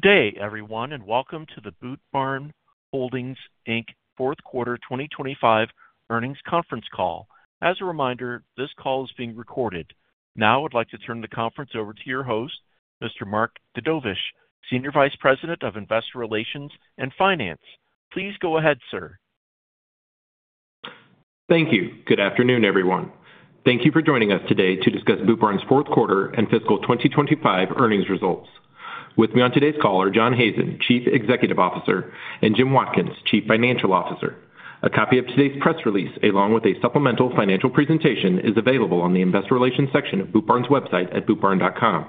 Good day, everyone, and welcome to the Boot Barn Holdings, Fourth Quarter 2025 earnings conference call. As a reminder, this call is being recorded. Now, I'd like to turn the conference over to your host, Mr. Mark Dedovesh, Senior Vice President of Investor Relations and Finance. Please go ahead, sir. Thank you. Good afternoon, everyone. Thank you for joining us today to discuss Boot Barn's fourth quarter and fiscal 2025 earnings results. With me on today's call are John Hazen, Chief Executive Officer, and Jim Watkins, Chief Financial Officer. A copy of today's press release, along with a supplemental financial presentation, is available on the Investor Relations section of Boot Barn's website at bootbarn.com.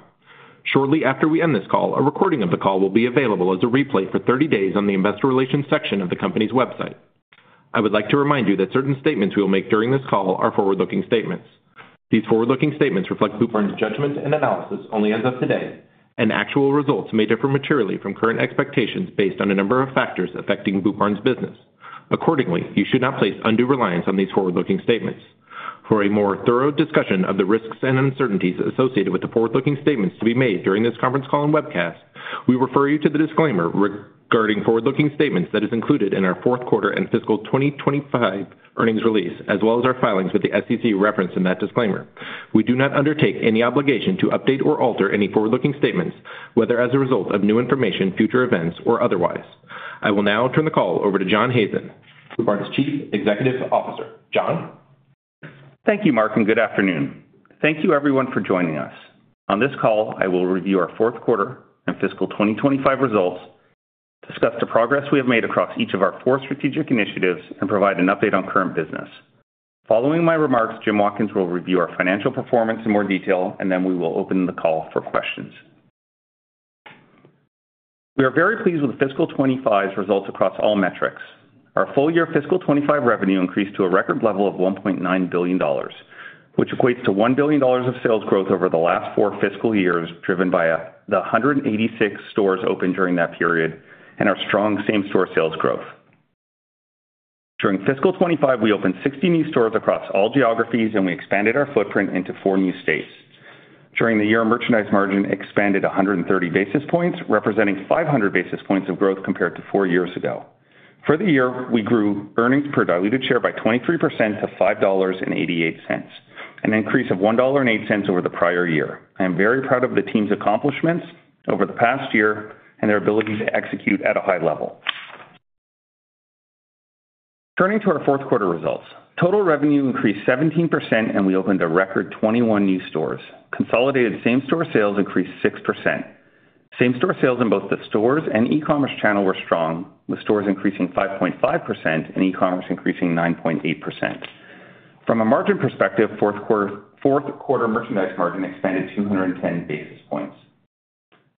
Shortly after we end this call, a recording of the call will be available as a replay for 30 days on the Investor Relations section of the company's website. I would like to remind you that certain statements we will make during this call are forward-looking statements. These forward-looking statements reflect Boot Barn's judgment and analysis only as of today, and actual results may differ materially from current expectations based on a number of factors affecting Boot Barn's business. Accordingly, you should not place undue reliance on these forward-looking statements. For a more thorough discussion of the risks and uncertainties associated with the forward-looking statements to be made during this conference call and webcast, we refer you to the disclaimer regarding forward-looking statements that is included in our fourth quarter and fiscal 2025 earnings release, as well as our filings with the SEC referenced in that disclaimer. We do not undertake any obligation to update or alter any forward-looking statements, whether as a result of new information, future events, or otherwise. I will now turn the call over to John Hazen, Boot Barn's Chief Executive Officer. John? Thank you, Mark, and good afternoon. Thank you, everyone, for joining us. On this call, I will review our fourth quarter and fiscal 2025 results, discuss the progress we have made across each of our four strategic initiatives, and provide an update on current business. Following my remarks, Jim Watkins will review our financial performance in more detail, and then we will open the call for questions. We are very pleased with fiscal 2025's results across all metrics. Our full-year fiscal 2025 revenue increased to a record level of $1.9 billion, which equates to $1 billion of sales growth over the last four fiscal years, driven by the 186 stores opened during that period and our strong same-store sales growth. During fiscal 2025, we opened 60 new stores across all geographies, and we expanded our footprint into four new states. During the year, merchandise margin expanded 130 basis points, representing 500 basis points of growth compared to four years ago. For the year, we grew earnings per diluted share by 23% to $5.88, an increase of $1.08 over the prior year. I am very proud of the team's accomplishments over the past year and their ability to execute at a high level. Turning to our fourth quarter results, total revenue increased 17%, and we opened a record 21 new stores. Consolidated same-store sales increased 6%. Same-store sales in both the stores and e-commerce channel were strong, with stores increasing 5.5% and e-commerce increasing 9.8%. From a margin perspective, fourth quarter merchandise margin expanded 210 basis points.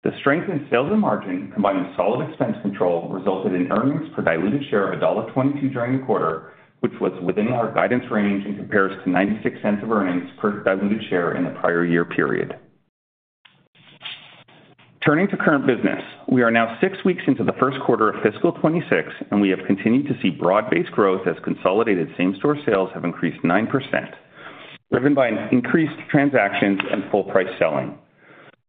The strength in sales and margin, combined with solid expense control, resulted in earnings per diluted share of $1.22 during the quarter, which was within our guidance range in comparison to 96 cents of earnings per diluted share in the prior year period. Turning to current business, we are now six weeks into the first quarter of Fiscal 2026, and we have continued to see broad-based growth as consolidated same-store sales have increased 9%, driven by increased transactions and full-price selling.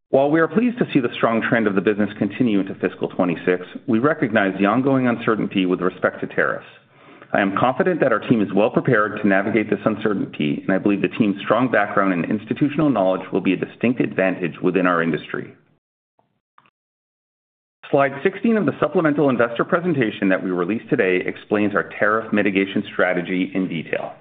While we are pleased to see the strong trend of the business continue into Fiscal 2026, we recognize the ongoing uncertainty with respect to tariffs. I am confident that our team is well prepared to navigate this uncertainty, and I believe the team's strong background and institutional knowledge will be a distinct advantage within our industry. Slide 16 of the supplemental investor presentation that we released today explains our tariff mitigation strategy in detail.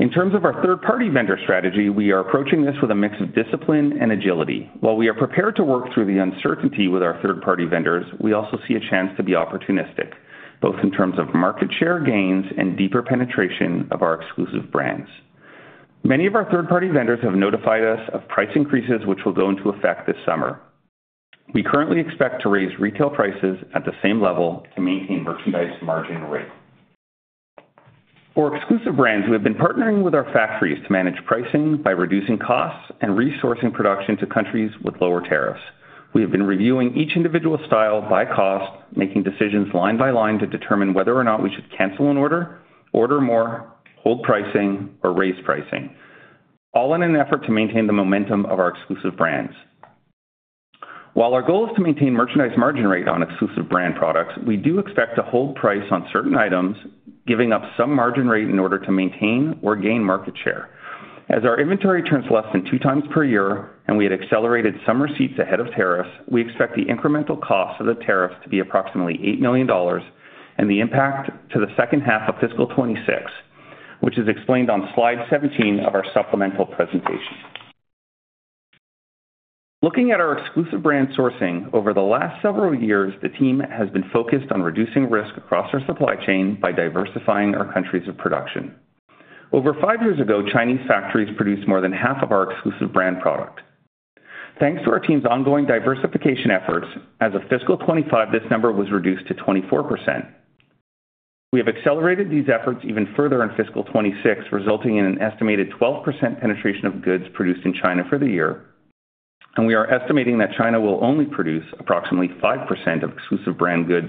In terms of our third-party vendor strategy, we are approaching this with a mix of discipline and agility. While we are prepared to work through the uncertainty with our third-party vendors, we also see a chance to be opportunistic, both in terms of market share gains and deeper penetration of our exclusive brands. Many of our third-party vendors have notified us of price increases which will go into effect this summer. We currently expect to raise retail prices at the same level to maintain merchandise margin rate. For exclusive brands, we have been partnering with our factories to manage pricing by reducing costs and resourcing production to countries with lower tariffs. We have been reviewing each individual style by cost, making decisions line by line to determine whether or not we should cancel an order, order more, hold pricing, or raise pricing, all in an effort to maintain the momentum of our exclusive brands. While our goal is to maintain merchandise margin rate on exclusive brand products, we do expect to hold price on certain items, giving up some margin rate in order to maintain or gain market share. As our inventory turns less than two times per year and we had accelerated some receipts ahead of tariffs, we expect the incremental cost of the tariffs to be approximately $8 million and the impact to the second half of Fiscal 2026, which is explained on Slide 17 of our supplemental presentation. Looking at our exclusive brand sourcing, over the last several years, the team has been focused on reducing risk across our supply chain by diversifying our countries of production. Over five years ago, Chinese factories produced more than half of our exclusive brand product. Thanks to our team's ongoing diversification efforts, as of Fiscal 2025, this number was reduced to 24%. We have accelerated these efforts even further in Fiscal 2026, resulting in an estimated 12% penetration of goods produced in China for the year, and we are estimating that China will only produce approximately 5% of exclusive brand goods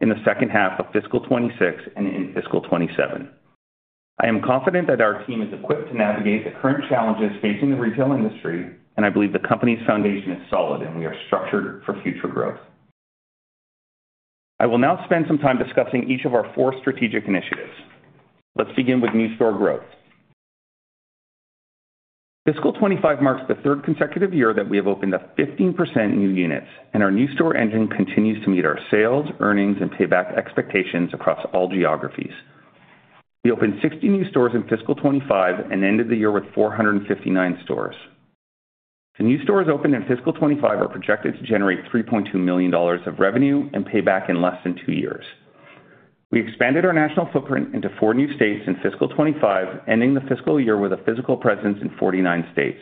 in the second half of Fiscal 2026 and in Fiscal 2027. I am confident that our team is equipped to navigate the current challenges facing the retail industry, and I believe the company's foundation is solid and we are structured for future growth. I will now spend some time discussing each of our four strategic initiatives. Let's begin with new store growth. Fiscal 2025 marks the third consecutive year that we have opened up 15% new units, and our new store engine continues to meet our sales, earnings, and payback expectations across all geographies. We opened 60 new stores in Fiscal 2025 and ended the year with 459 stores. The new stores opened in Fiscal 2025 are projected to generate $3.2 million of revenue and pay back in less than two years. We expanded our national footprint into four new states in Fiscal 2025, ending the fiscal year with a physical presence in 49 states.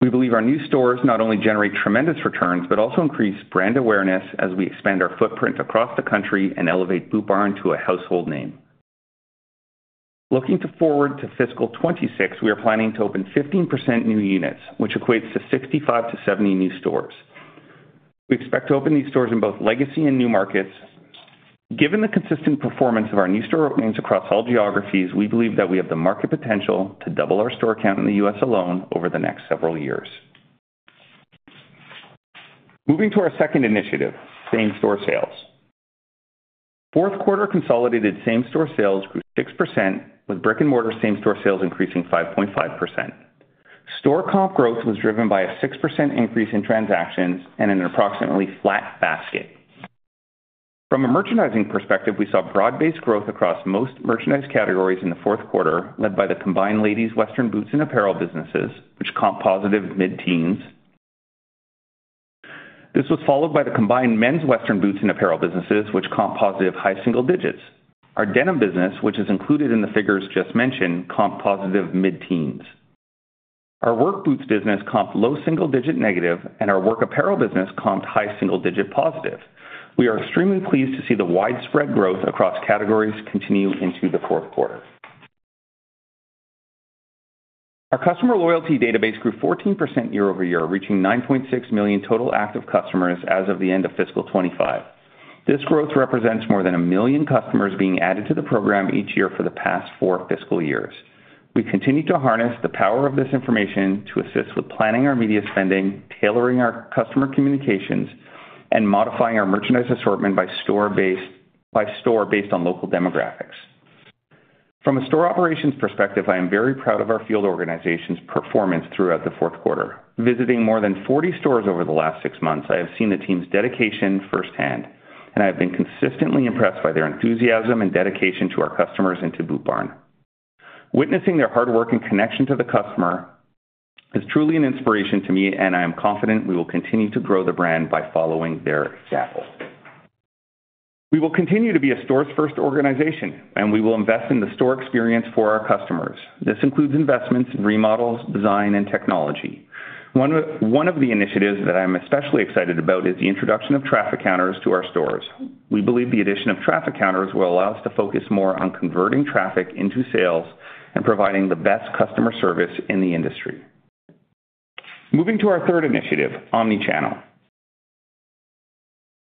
We believe our new stores not only generate tremendous returns but also increase brand awareness as we expand our footprint across the country and elevate Boot Barn to a household name. Looking forward to Fiscal 2026, we are planning to open 15% new units, which equates to 65-70 new stores. We expect to open these stores in both legacy and new markets. Given the consistent performance of our new store openings across all geographies, we believe that we have the market potential to double our store count in the U.S. alone over the next several years. Moving to our second initiative, same-store sales. Fourth quarter consolidated same-store sales grew 6%, with brick-and-mortar same-store sales increasing 5.5%. Store comp growth was driven by a 6% increase in transactions and an approximately flat basket. From a merchandising perspective, we saw broad-based growth across most merchandise categories in the fourth quarter, led by the combined ladies' western boots and apparel businesses, which comp positive mid-teens. This was followed by the combined men's western boots and apparel businesses, which comp positive high single digits. Our denim business, which is included in the figures just mentioned, comp positive mid-teens. Our work boots business comp low single digit negative, and our work apparel business comp high single digit positive. We are extremely pleased to see the widespread growth across categories continue into the fourth quarter. Our customer loyalty database grew 14% year over year, reaching 9.6 million total active customers as of the end of fiscal 2025. This growth represents more than a million customers being added to the program each year for the past four fiscal years. We continue to harness the power of this information to assist with planning our media spending, tailoring our customer communications, and modifying our merchandise assortment by store based on local demographics. From a store operations perspective, I am very proud of our field organization's performance throughout the fourth quarter. Visiting more than 40 stores over the last six months, I have seen the team's dedication firsthand, and I have been consistently impressed by their enthusiasm and dedication to our customers and to Boot Barn. Witnessing their hard work and connection to the customer is truly an inspiration to me, and I am confident we will continue to grow the brand by following their example. We will continue to be a stores-first organization, and we will invest in the store experience for our customers. This includes investments in remodels, design, and technology. One of the initiatives that I'm especially excited about is the introduction of traffic counters to our stores. We believe the addition of traffic counters will allow us to focus more on converting traffic into sales and providing the best customer service in the industry. Moving to our third initiative, omnichannel.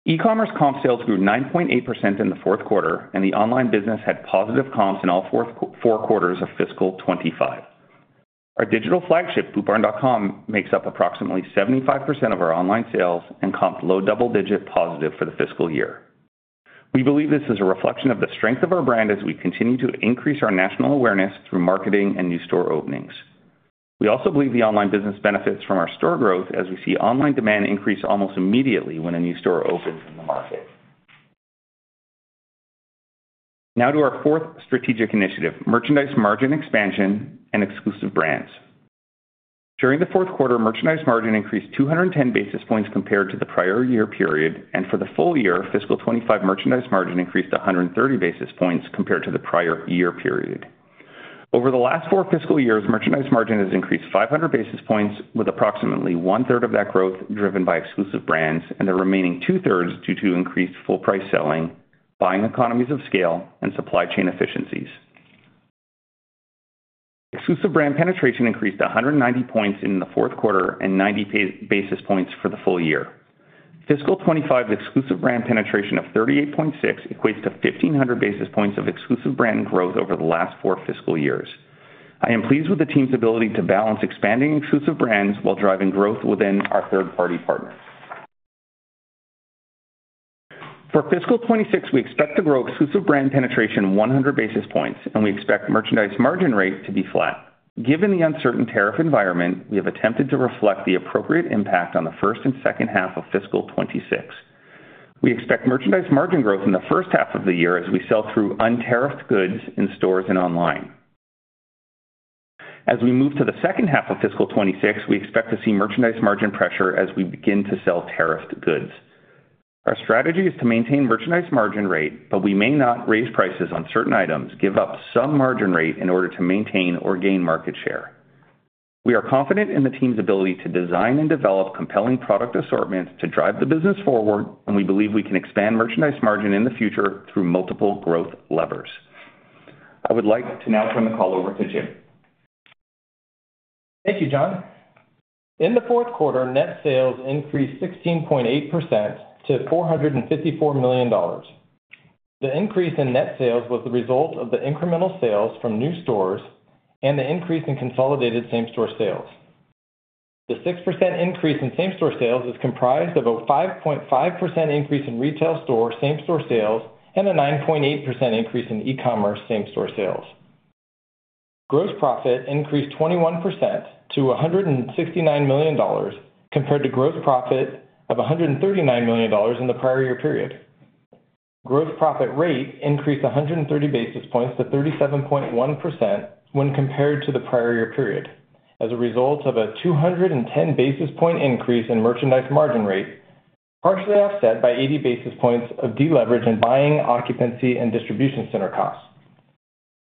E-commerce comp sales grew 9.8% in the fourth quarter, and the online business had positive comps in all four quarters of fiscal 2025. Our digital flagship, bootbarn.com, makes up approximately 75% of our online sales and comped low double-digit positive for the fiscal year. We believe this is a reflection of the strength of our brand as we continue to increase our national awareness through marketing and new store openings. We also believe the online business benefits from our store growth as we see online demand increase almost immediately when a new store opens in the market. Now to our fourth strategic initiative, merchandise margin expansion and exclusive brands. During the fourth quarter, merchandise margin increased 210 basis points compared to the prior year period, and for the full year, fiscal 2025 merchandise margin increased 130 basis points compared to the prior year period. Over the last four fiscal years, merchandise margin has increased 500 basis points, with approximately one-third of that growth driven by exclusive brands and the remaining two-thirds due to increased full-price selling, buying economies of scale, and supply chain efficiencies. Exclusive brand penetration increased 190 basis points in the fourth quarter and 90 basis points for the full year. Fiscal 2025 exclusive brand penetration of 38.6% equates to 1,500 basis points of exclusive brand growth over the last four fiscal years. I am pleased with the team's ability to balance expanding exclusive brands while driving growth within our third-party partners. For Fiscal 2026, we expect to grow exclusive brand penetration 100 basis points, and we expect merchandise margin rate to be flat. Given the uncertain tariff environment, we have attempted to reflect the appropriate impact on the first and second half of Fiscal 2026. We expect merchandise margin growth in the first half of the year as we sell through untariffed goods in stores and online. As we move to the second half of Fiscal 2026, we expect to see merchandise margin pressure as we begin to sell tariffed goods. Our strategy is to maintain merchandise margin rate, but we may not raise prices on certain items, give up some margin rate in order to maintain or gain market share. We are confident in the team's ability to design and develop compelling product assortments to drive the business forward, and we believe we can expand merchandise margin in the future through multiple growth levers. I would like to now turn the call over to Jim. Thank you, John. In the fourth quarter, net sales increased 16.8% to $454 million. The increase in net sales was the result of the incremental sales from new stores and the increase in consolidated same-store sales. The 6% increase in same-store sales is comprised of a 5.5% increase in retail store same-store sales and a 9.8% increase in e-commerce same-store sales. Gross profit increased 21% to $169 million compared to gross profit of $139 million in the prior year period. Gross profit rate increased 130 basis points to 37.1% when compared to the prior year period as a result of a 210 basis point increase in merchandise margin rate, partially offset by 80 basis points of deleveraged and buying occupancy and distribution center costs.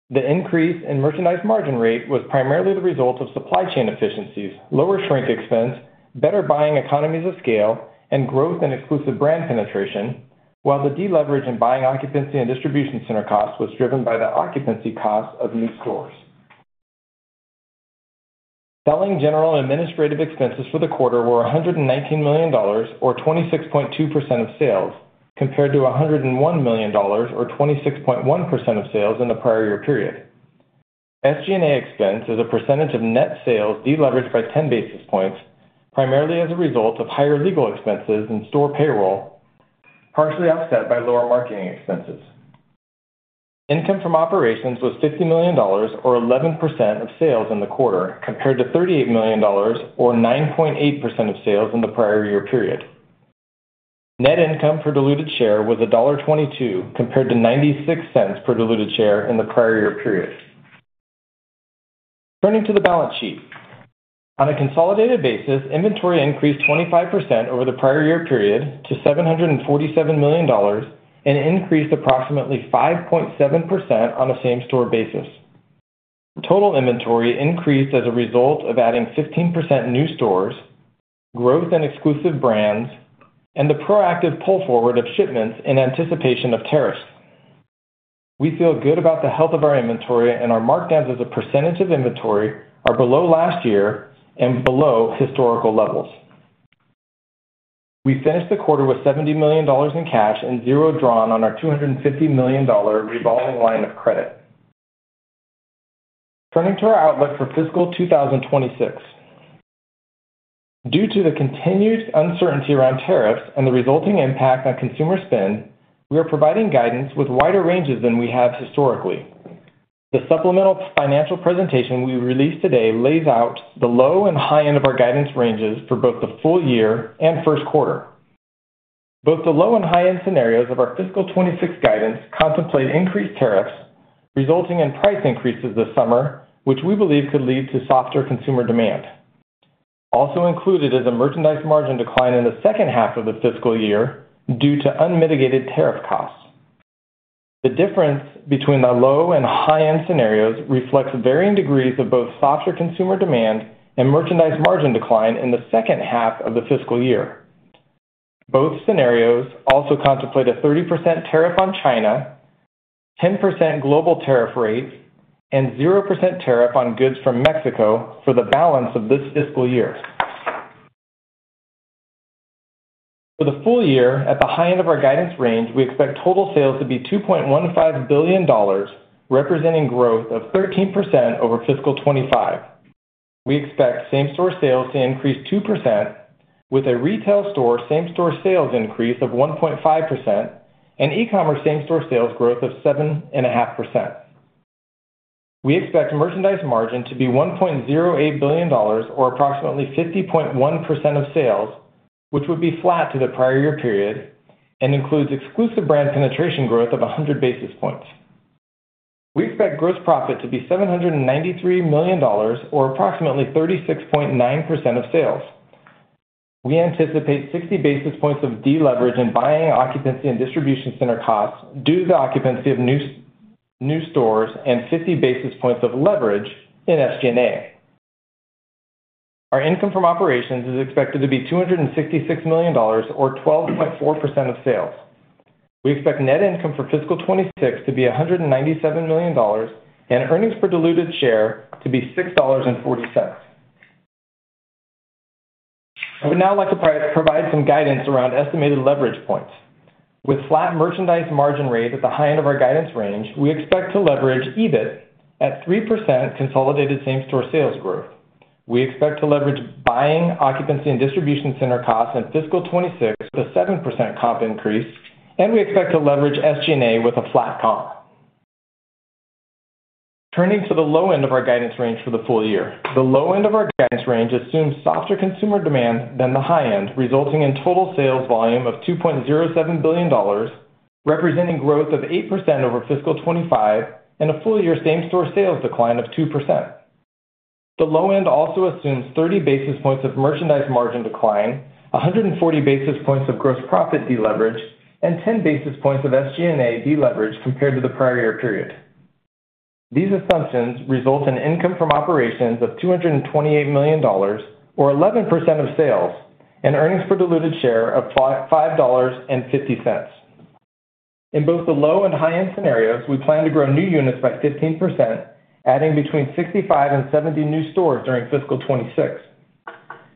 The increase in merchandise margin rate was primarily the result of supply chain efficiencies, lower shrink expense, better buying economies of scale, and growth in exclusive brand penetration, while the deleveraged and buying occupancy and distribution center costs was driven by the occupancy costs of new stores. Selling general and administrative expenses for the quarter were $119 million, or 26.2% of sales, compared to $101 million, or 26.1% of sales in the prior year period. SG&A expense as a percentage of net sales deleveraged by 10 basis points, primarily as a result of higher legal expenses and store payroll, partially offset by lower marketing expenses. Income from operations was $50 million, or 11% of sales in the quarter, compared to $38 million, or 9.8% of sales in the prior year period. Net income per diluted share was $1.22, compared to $0.96 per diluted share in the prior year period. Turning to the balance sheet, on a consolidated basis, inventory increased 25% over the prior year period to $747 million and increased approximately 5.7% on a same-store basis. Total inventory increased as a result of adding 15% new stores, growth in exclusive brands, and the proactive pull forward of shipments in anticipation of tariffs. We feel good about the health of our inventory, and our markdowns as a percentage of inventory are below last year and below historical levels. We finished the quarter with $70 million in cash and zero drawn on our $250 million revolving line of credit. Turning to our outlook for Fiscal 2026. Due to the continued uncertainty around tariffs and the resulting impact on consumer spend, we are providing guidance with wider ranges than we have historically. The supplemental financial presentation we released today lays out the low and high end of our guidance ranges for both the full year and first quarter. Both the low and high end scenarios of our Fiscal 2026 guidance contemplate increased tariffs resulting in price increases this summer, which we believe could lead to softer consumer demand. Also included is a merchandise margin decline in the second half of the fiscal year due to unmitigated tariff costs. The difference between the low and high end scenarios reflects varying degrees of both softer consumer demand and merchandise margin decline in the second half of the fiscal year. Both scenarios also contemplate a 30% tariff on China, 10% global tariff rates, and 0% tariff on goods from Mexico for the balance of this fiscal year. For the full year, at the high end of our guidance range, we expect total sales to be $2.15 billion, representing growth of 13% over Fiscal 2025. We expect same-store sales to increase 2%, with a retail store same-store sales increase of 1.5% and e-commerce same-store sales growth of 7.5%. We expect merchandise margin to be $1.08 billion, or approximately 50.1% of sales, which would be flat to the prior year period and includes exclusive brand penetration growth of 100 basis points. We expect gross profit to be $793 million, or approximately 36.9% of sales. We anticipate 60 basis points of deleveraged in buying occupancy and distribution center costs due to the occupancy of new stores and 50 basis points of leverage in SG&A. Our income from operations is expected to be $266 million, or 12.4% of sales. We expect net income for Fiscal 2026 to be $197 million and earnings per diluted share to be $6.40. I would now like to provide some guidance around estimated leverage points. With flat merchandise margin rate at the high end of our guidance range, we expect to leverage EBIT at 3% consolidated same-store sales growth. We expect to leverage buying occupancy and distribution center costs in Fiscal 2026 with a 7% comp increase, and we expect to leverage SG&A with a flat comp. Turning to the low end of our guidance range for the full year. The low end of our guidance range assumes softer consumer demand than the high end, resulting in total sales volume of $2.07 billion, representing growth of 8% over Fiscal 2025 and a full year same-store sales decline of 2%. The low end also assumes 30 basis points of merchandise margin decline, 140 basis points of gross profit deleveraged, and 10 basis points of SG&A deleveraged compared to the prior year period. These assumptions result in income from operations of $228 million, or 11% of sales, and earnings per diluted share of $5.50. In both the low and high end scenarios, we plan to grow new units by 15%, adding between 65 and 70 new stores during Fiscal 2026.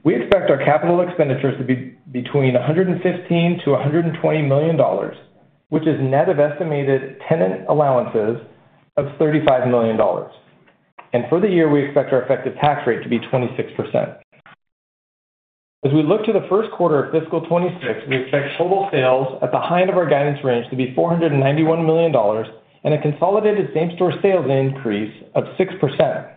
We expect our capital expenditures to be between $115-$120 million, which is net of estimated tenant allowances of $35 million. For the year, we expect our effective tax rate to be 26%. As we look to the first quarter of Fiscal 2026, we expect total sales at the high end of our guidance range to be $491 million and a consolidated same-store sales increase of 6%.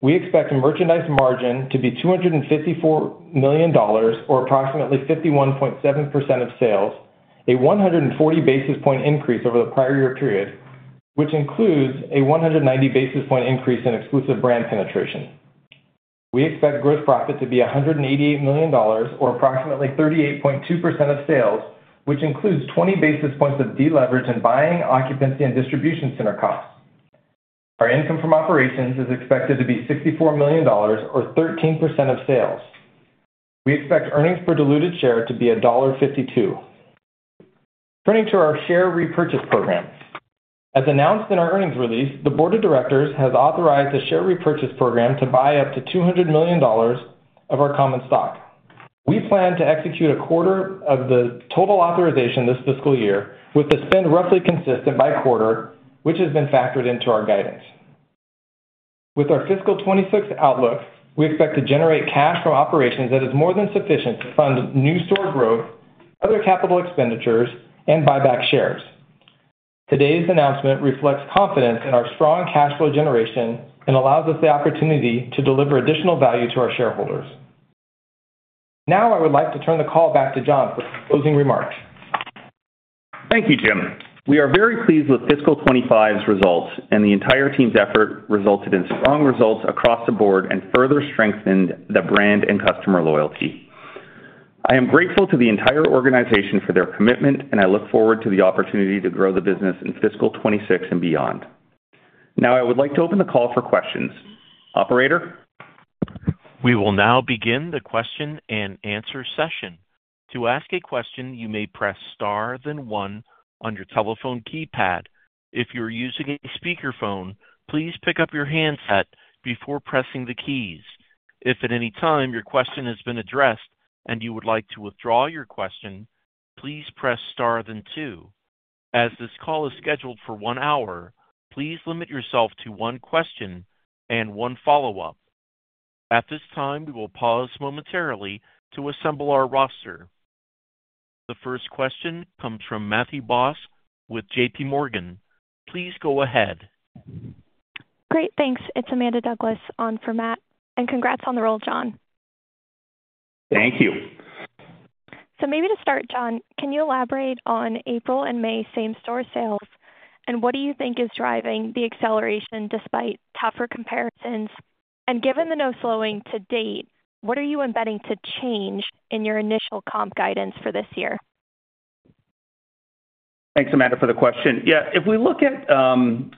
We expect merchandise margin to be $254 million, or approximately 51.7% of sales, a 140 basis point increase over the prior year period, which includes a 190 basis point increase in exclusive brand penetration. We expect gross profit to be $188 million, or approximately 38.2% of sales, which includes 20 basis points of deleveraged and buying occupancy and distribution center costs. Our income from operations is expected to be $64 million, or 13% of sales. We expect earnings per diluted share to be $1.52. Turning to our share repurchase program. As announced in our earnings release, the Board of Directors has authorized the share repurchase program to buy up to $200 million of our common stock. We plan to execute a quarter of the total authorization this fiscal year with the spend roughly consistent by quarter, which has been factored into our guidance. With our Fiscal 2026 outlook, we expect to generate cash from operations that is more than sufficient to fund new store growth, other capital expenditures, and buy back shares. Today's announcement reflects confidence in our strong cash flow generation and allows us the opportunity to deliver additional value to our shareholders. Now I would like to turn the call back to John for closing remarks. Thank you, Jim. We are very pleased with Fiscal 2025's results, and the entire team's effort resulted in strong results across the board and further strengthened the brand and customer loyalty. I am grateful to the entire organization for their commitment, and I look forward to the opportunity to grow the business in Fiscal 2026 and beyond. Now I would like to open the call for questions. Operator? We will now begin the question and answer session. To ask a question, you may press star then one on your telephone keypad. If you're using a speakerphone, please pick up your handset before pressing the keys. If at any time your question has been addressed and you would like to withdraw your question, please press star then two. As this call is scheduled for one hour, please limit yourself to one question and one follow-up. At this time, we will pause momentarily to assemble our roster. The first question comes from Matthew Boss with JP Morgan. Please go ahead. Great. Thanks. It's Amanda Douglas on for Matt. Congrats on the role, John. Thank you. Maybe to start, John, can you elaborate on April and May same-store sales? What do you think is driving the acceleration despite tougher comparisons? Given the no slowing to date, what are you embedding to change in your initial comp guidance for this year? Thanks, Amanda, for the question. Yeah. If we look at all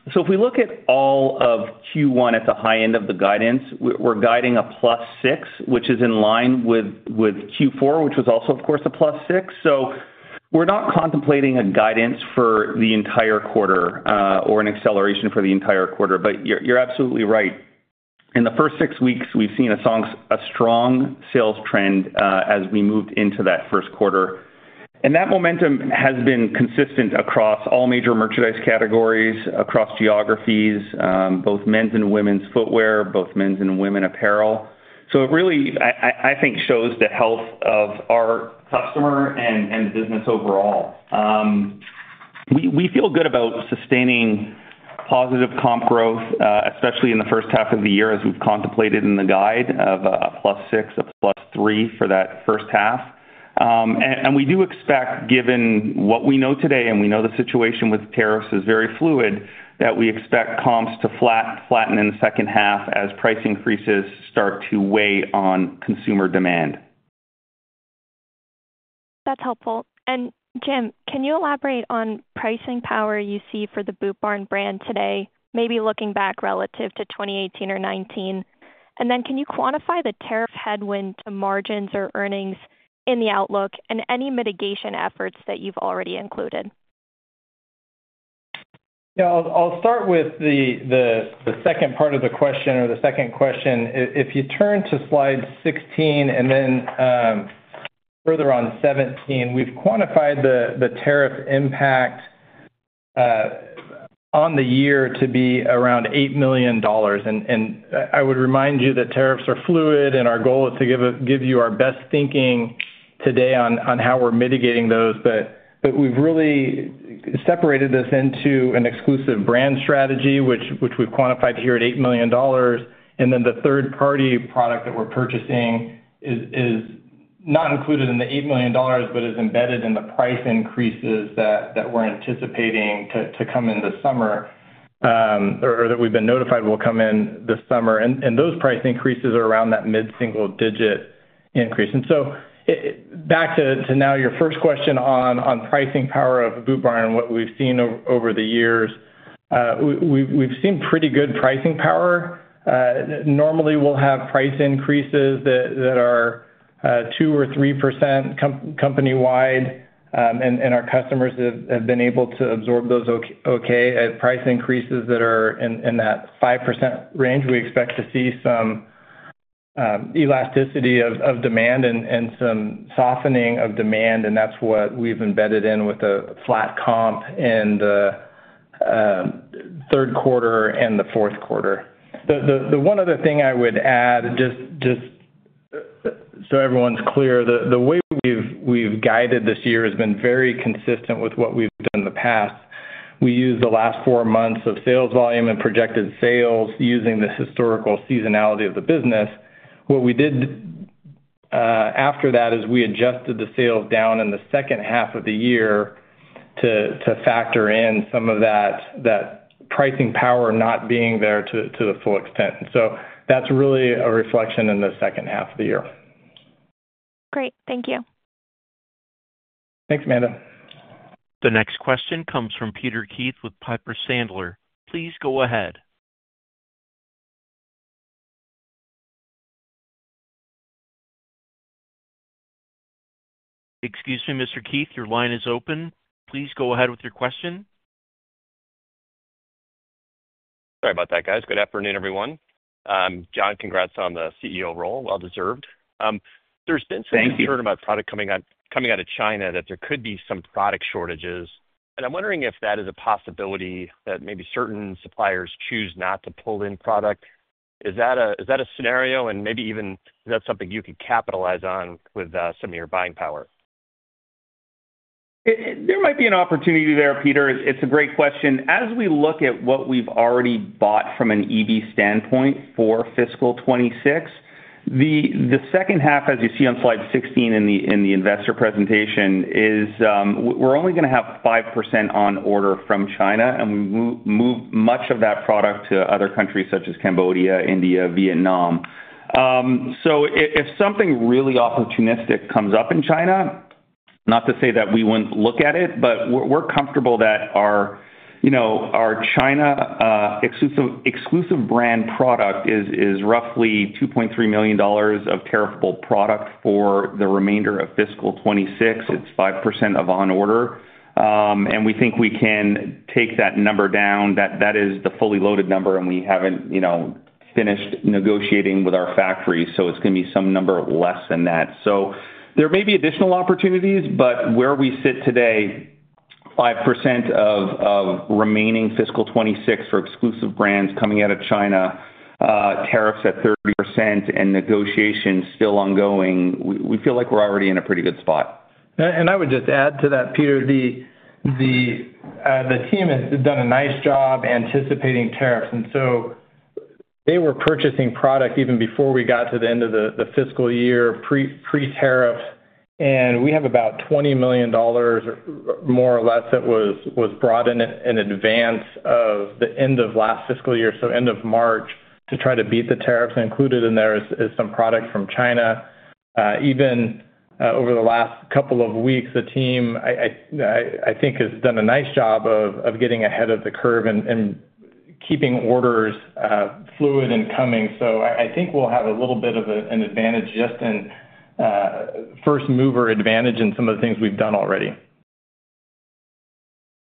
of Q1 at the high end of the guidance, we're guiding a plus 6%, which is in line with Q4, which was also, of course, a plus 6%. We're not contemplating a guidance for the entire quarter or an acceleration for the entire quarter, but you're absolutely right. In the first six weeks, we've seen a strong sales trend as we moved into that first quarter. That momentum has been consistent across all major merchandise categories, across geographies, both men's and women's footwear, both men's and women apparel. It really, I think, shows the health of our customer and the business overall. We feel good about sustaining positive comp growth, especially in the first half of the year as we've contemplated in the guide of a +6, a +3 for that first half. We do expect, given what we know today and we know the situation with tariffs is very fluid, that we expect comps to flatten in the second half as price increases start to weigh on consumer demand. That's helpful. Jim, can you elaborate on pricing power you see for the Boot Barn brand today, maybe looking back relative to 2018 or 2019? Can you quantify the tariff headwind to margins or earnings in the outlook and any mitigation efforts that you've already included? Yeah. I'll start with the second part of the question or the second question. If you turn to slide 16 and then further on 17, we've quantified the tariff impact on the year to be around $8 million. I would remind you that tariffs are fluid, and our goal is to give you our best thinking today on how we're mitigating those. We've really separated this into an exclusive brand strategy, which we've quantified here at $8 million. The third-party product that we're purchasing is not included in the $8 million, but is embedded in the price increases that we're anticipating to come in the summer or that we've been notified will come in the summer. Those price increases are around that mid-single digit increase. Back to your first question on pricing power of Boot Barn and what we've seen over the years, we've seen pretty good pricing power. Normally, we'll have price increases that are 2% or 3% company-wide, and our customers have been able to absorb those okay. At price increases that are in that 5% range, we expect to see some elasticity of demand and some softening of demand. That's what we've embedded in with a flat comp in the third quarter and the fourth quarter. The one other thing I would add, just so everyone's clear, the way we've guided this year has been very consistent with what we've done in the past. We used the last four months of sales volume and projected sales using the historical seasonality of the business. What we did after that is we adjusted the sales down in the second half of the year to factor in some of that pricing power not being there to the full extent. That is really a reflection in the second half of the year. Great. Thank you. Thanks, Amanda. The next question comes from Peter Keith with Piper Sandler. Please go ahead. Excuse me, Mr. Keith, your line is open. Please go ahead with your question. Sorry about that, guys. Good afternoon, everyone. John, congrats on the CEO role. Well-deserved. There has been some concern about product coming out of China that there could be some product shortages. I am wondering if that is a possibility that maybe certain suppliers choose not to pull in product. Is that a scenario? Maybe even is that something you could capitalize on with some of your buying power? There might be an opportunity there, Peter. It's a great question. As we look at what we've already bought from an EB standpoint for Fiscal 2026, the second half, as you see on slide 16 in the investor presentation, is we're only going to have 5% on order from China, and we move much of that product to other countries such as Cambodia, India, Vietnam. If something really opportunistic comes up in China, not to say that we wouldn't look at it, but we're comfortable that our China exclusive brand product is roughly $2.3 million of tariffable product for the remainder of Fiscal 2026. It's 5% of on order. We think we can take that number down. That is the fully loaded number, and we haven't finished negotiating with our factory, so it's going to be some number less than that. There may be additional opportunities, but where we sit today, 5% of remaining Fiscal 2026 for exclusive brands coming out of China, tariffs at 30%, and negotiations still ongoing, we feel like we're already in a pretty good spot. I would just add to that, Peter, the team has done a nice job anticipating tariffs. They were purchasing product even before we got to the end of the fiscal year pre-tariff. We have about $20 million, more or less, that was brought in advance of the end of last fiscal year, so end of March, to try to beat the tariffs. Included in there is some product from China. Even over the last couple of weeks, the team, I think, has done a nice job of getting ahead of the curve and keeping orders fluid and coming. I think we'll have a little bit of an advantage, just a first-mover advantage in some of the things we've done already.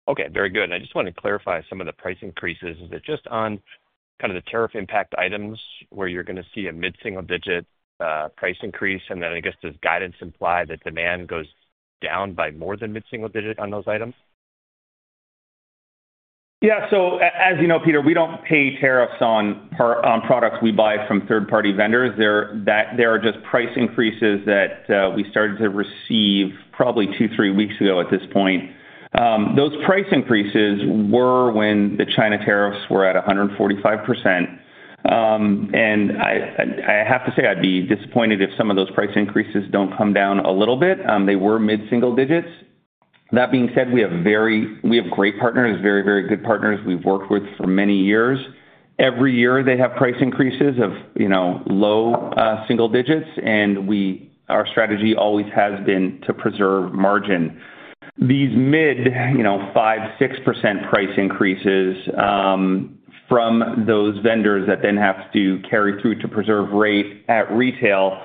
Okay. Very good. I just want to clarify some of the price increases. Is it just on kind of the tariff impact items where you're going to see a mid-single digit price increase? I guess does guidance imply that demand goes down by more than mid-single digit on those items? Yeah. As you know, Peter, we don't pay tariffs on products we buy from third-party vendors. There are just price increases that we started to receive probably two, three weeks ago at this point. Those price increases were when the China tariffs were at 145%. I have to say I'd be disappointed if some of those price increases don't come down a little bit. They were mid-single digits. That being said, we have great partners, very, very good partners we've worked with for many years. Every year they have price increases of low single digits, and our strategy always has been to preserve margin. These mid-5-6% price increases from those vendors that then have to carry through to preserve rate at retail,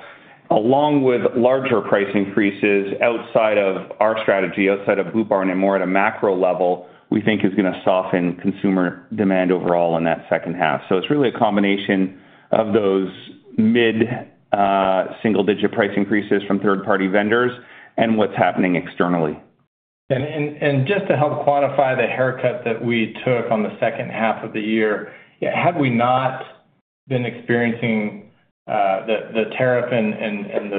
along with larger price increases outside of our strategy, outside of Boot Barn and more at a macro level, we think is going to soften consumer demand overall in that second half. It is really a combination of those mid-single digit price increases from third-party vendors and what is happening externally. Just to help quantify the haircut that we took on the second half of the year, had we not been experiencing the tariff and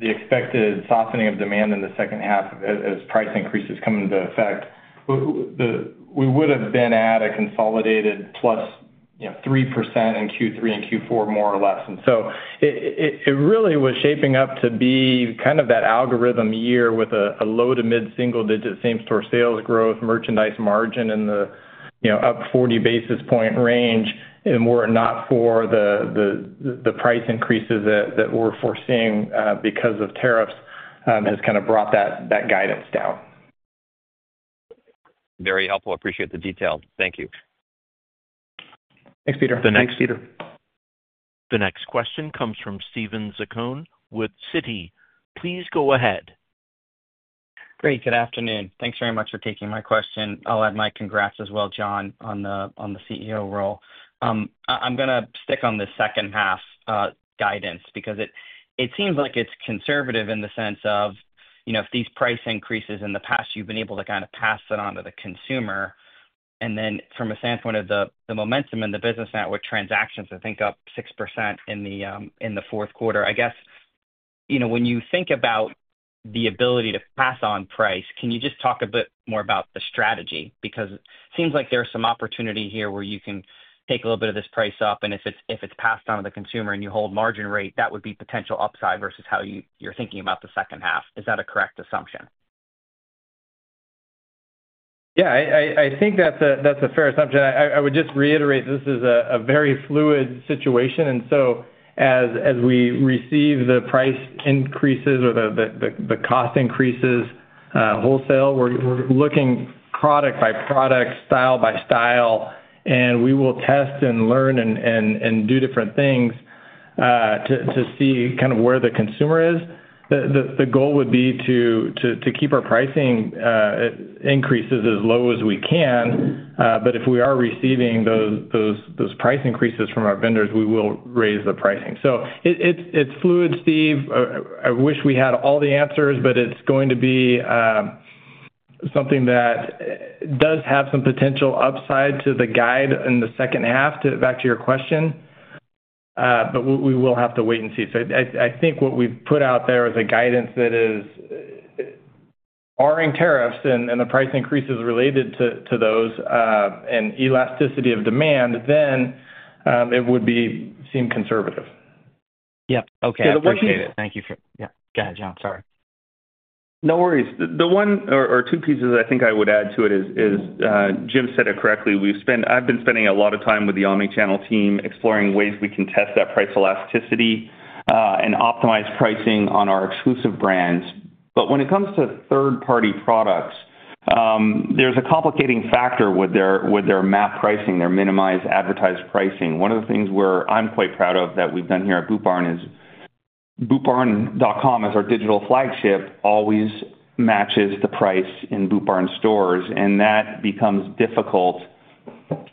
the expected softening of demand in the second half as price increases come into effect, we would have been at a consolidated plus 3% in Q3 and Q4, more or less. It really was shaping up to be kind of that algorithm year with a low to mid-single digit same-store sales growth, merchandise margin in the up 40 basis point range. Were it not for the price increases that we're foreseeing because of tariffs, it has kind of brought that guidance down. Very helpful. Appreciate the detail. Thank you. Thanks, Peter. Thanks, Peter. The next question comes from Steven Zacone with Citi. Please go ahead. Great. Good afternoon. Thanks very much for taking my question. I'll add my congrats as well, John, on the CEO role. I'm going to stick on the second half guidance because it seems like it's conservative in the sense of if these price increases in the past, you've been able to kind of pass it on to the consumer. From a standpoint of the momentum in the business network transactions, I think up 6% in the fourth quarter. I guess when you think about the ability to pass on price, can you just talk a bit more about the strategy? Because it seems like there's some opportunity here where you can take a little bit of this price up. If it's passed on to the consumer and you hold margin rate, that would be potential upside versus how you're thinking about the second half. Is that a correct assumption? Yeah. I think that's a fair assumption. I would just reiterate this is a very fluid situation. As we receive the price increases or the cost increases wholesale, we're looking product by product, style by style, and we will test and learn and do different things to see kind of where the consumer is. The goal would be to keep our pricing increases as low as we can. If we are receiving those price increases from our vendors, we will raise the pricing. It is fluid, Steve. I wish we had all the answers, but it is going to be something that does have some potential upside to the guide in the second half to back to your question. We will have to wait and see. I think what we've put out there is a guidance that is barring tariffs and the price increases related to those and elasticity of demand, then it would seem conservative. Yep. Okay. Appreciate it. Thank you for yeah. Go ahead, John. Sorry. No worries. The one or two pieces I think I would add to it is Jim said it correctly. I've been spending a lot of time with the Omnichannel team exploring ways we can test that price elasticity and optimize pricing on our exclusive brands. But when it comes to third-party products, there's a complicating factor with their map pricing, their minimized advertised pricing. One of the things where I'm quite proud of that we've done here at Boot Barn is bootbarn.com, as our digital flagship, always matches the price in Boot Barn stores. That becomes difficult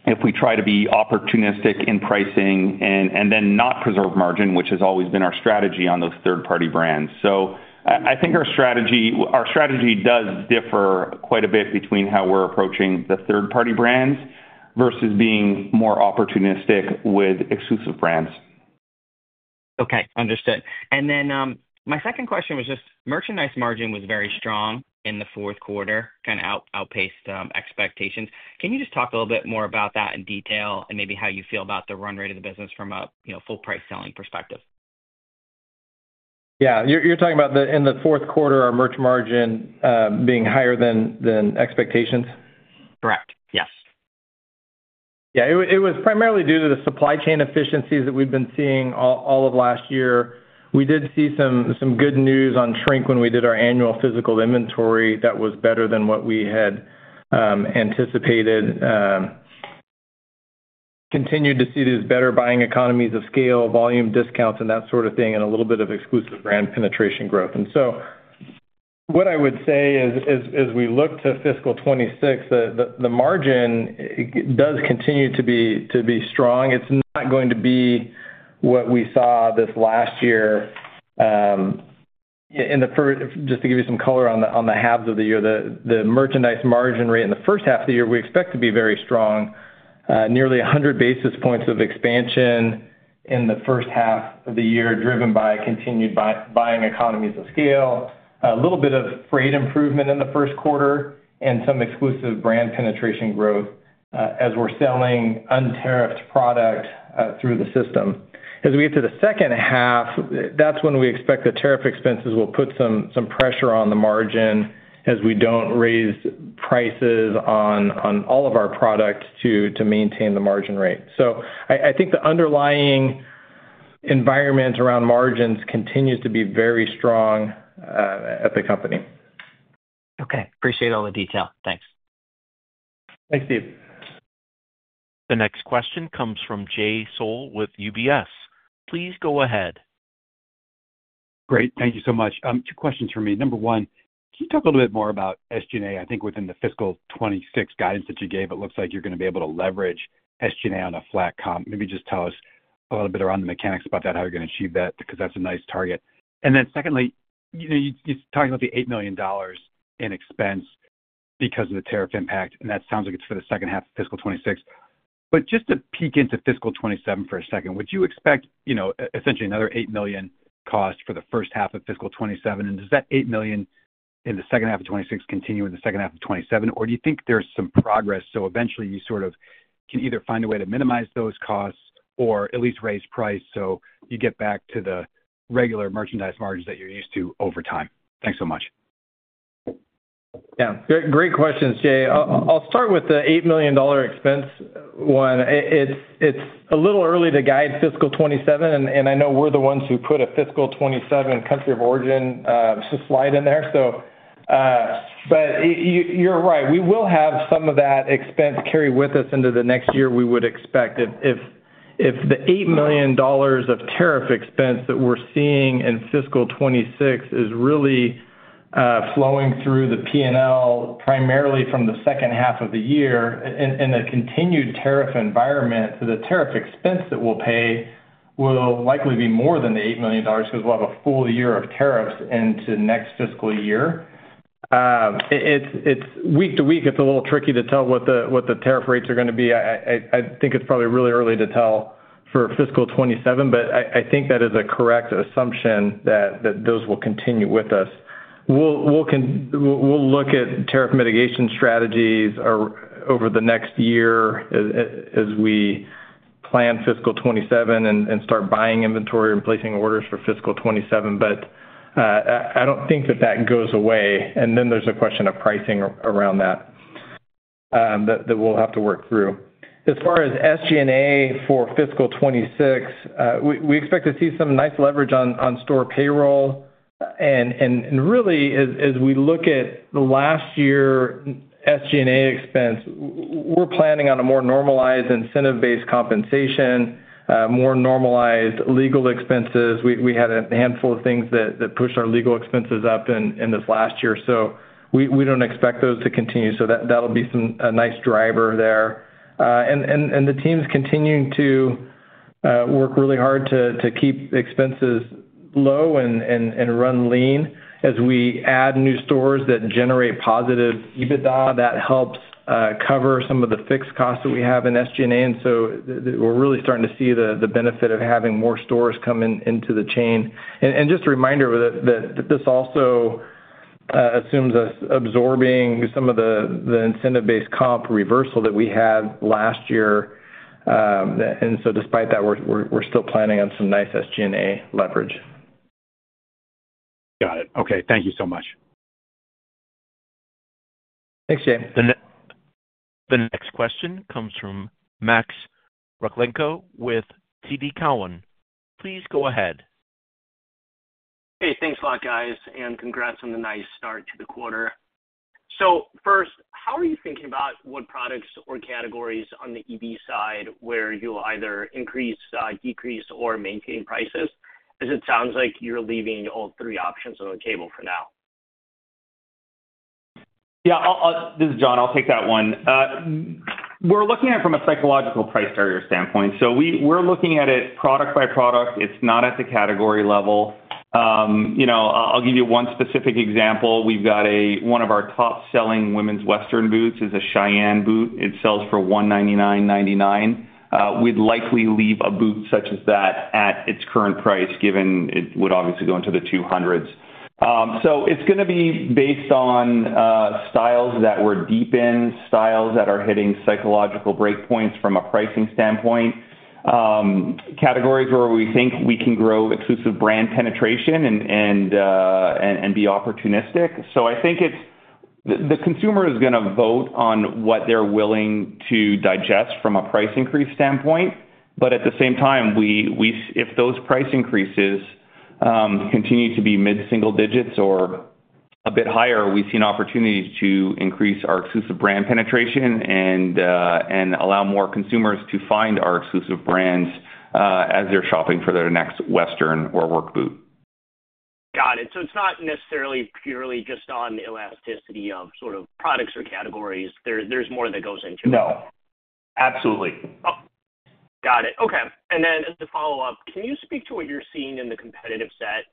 if we try to be opportunistic in pricing and then not preserve margin, which has always been our strategy on those third-party brands. I think our strategy does differ quite a bit between how we are approaching the third-party brands versus being more opportunistic with exclusive brands. Okay. Understood. My second question was just merchandise margin was very strong in the fourth quarter, kind of outpaced expectations. Can you just talk a little bit more about that in detail and maybe how you feel about the run rate of the business from a full-price selling perspective? Yeah. You are talking about in the fourth quarter, our merch margin being higher than expectations? Correct. Yes. It was primarily due to the supply chain efficiencies that we have been seeing all of last year. We did see some good news on shrink when we did our annual physical inventory. That was better than what we had anticipated. Continued to see these better buying economies of scale, volume discounts, and that sort of thing, and a little bit of exclusive brand penetration growth. What I would say is, as we look to fiscal 2026, the margin does continue to be strong. It's not going to be what we saw this last year. Just to give you some color on the halves of the year, the merchandise margin rate in the first half of the year, we expect to be very strong. Nearly 100 basis points of expansion in the first half of the year, driven by continued buying economies of scale. A little bit of freight improvement in the first quarter and some exclusive brand penetration growth as we're selling untariffed product through the system. As we get to the second half, that's when we expect the tariff expenses will put some pressure on the margin as we don't raise prices on all of our products to maintain the margin rate. I think the underlying environment around margins continues to be very strong at the company. Okay. Appreciate all the detail. Thanks. Thanks, Steve. The next question comes from Jay Sole with UBS. Please go ahead. Great. Thank you so much. Two questions for me. Number one, can you talk a little bit more about SG&A? I think within the fiscal 2026 guidance that you gave, it looks like you're going to be able to leverage SG&A on a flat comp. Maybe just tell us a little bit around the mechanics about that, how you're going to achieve that, because that's a nice target. Then secondly, you're talking about the $8 million in expense because of the tariff impact, and that sounds like it's for the second half of fiscal 2026. Just to peek into fiscal 2027 for a second, would you expect essentially another $8 million cost for the first half of fiscal 2027? Does that $8 million in the second half of 2026 continue in the second half of 2027, or do you think there's some progress so eventually you sort of can either find a way to minimize those costs or at least raise price so you get back to the regular merchandise margin that you're used to over time? Thanks so much. Yeah. Great questions, Jay. I'll start with the $8 million expense one. It's a little early to guide fiscal 2027, and I know we're the ones who put a fiscal 2027 country of origin slide in there. You are right. We will have some of that expense carry with us into the next year, we would expect. If the $8 million of tariff expense that we're seeing in fiscal 2026 is really flowing through the P&L primarily from the second half of the year in a continued tariff environment, the tariff expense that we'll pay will likely be more than the $8 million because we'll have a full year of tariffs into next fiscal year. Week to week, it's a little tricky to tell what the tariff rates are going to be. I think it's probably really early to tell for fiscal 2027, but I think that is a correct assumption that those will continue with us. We'll look at tariff mitigation strategies over the next year as we plan fiscal 2027 and start buying inventory and placing orders for fiscal 2027. I don't think that that goes away. There's a question of pricing around that that we'll have to work through. As far as SG&A for fiscal 2026, we expect to see some nice leverage on store payroll. Really, as we look at the last year SG&A expense, we're planning on a more normalized incentive-based compensation, more normalized legal expenses. We had a handful of things that pushed our legal expenses up in this last year. We don't expect those to continue. That'll be a nice driver there. The team's continuing to work really hard to keep expenses low and run lean as we add new stores that generate positive EBITDA that helps cover some of the fixed costs that we have in SG&A. We are really starting to see the benefit of having more stores come into the chain. Just a reminder that this also assumes us absorbing some of the incentive-based comp reversal that we had last year. Despite that, we are still planning on some nice SG&A leverage. Got it. Okay. Thank you so much. Thanks, Jay. The next question comes from Max Rakhlenko with TD Cowen. Please go ahead. Hey, thanks a lot, guys. Congrats on the nice start to the quarter. First, how are you thinking about what products or categories on the EV side where you'll either increase, decrease, or maintain prices? As it sounds like you're leaving all three options on the table for now. Yeah. This is John. I'll take that one. We're looking at it from a psychological price target standpoint. So we're looking at it product by product. It's not at the category level. I'll give you one specific example. We've got one of our top-selling women's Western boots is a Cheyenne boot. It sells for $199.99. We'd likely leave a boot such as that at its current price given it would obviously go into the 200s. It's going to be based on styles that we're deep in, styles that are hitting psychological breakpoints from a pricing standpoint, categories where we think we can grow exclusive brand penetration and be opportunistic. I think the consumer is going to vote on what they're willing to digest from a price increase standpoint. At the same time, if those price increases continue to be mid-single digits or a bit higher, we see an opportunity to increase our exclusive brand penetration and allow more consumers to find our exclusive brands as they're shopping for their next Western or work boot. Got it. It is not necessarily purely just on the elasticity of sort of products or categories. There is more that goes into it. No. Absolutely. Got it. Okay. As a follow-up, can you speak to what you are seeing in the competitive set?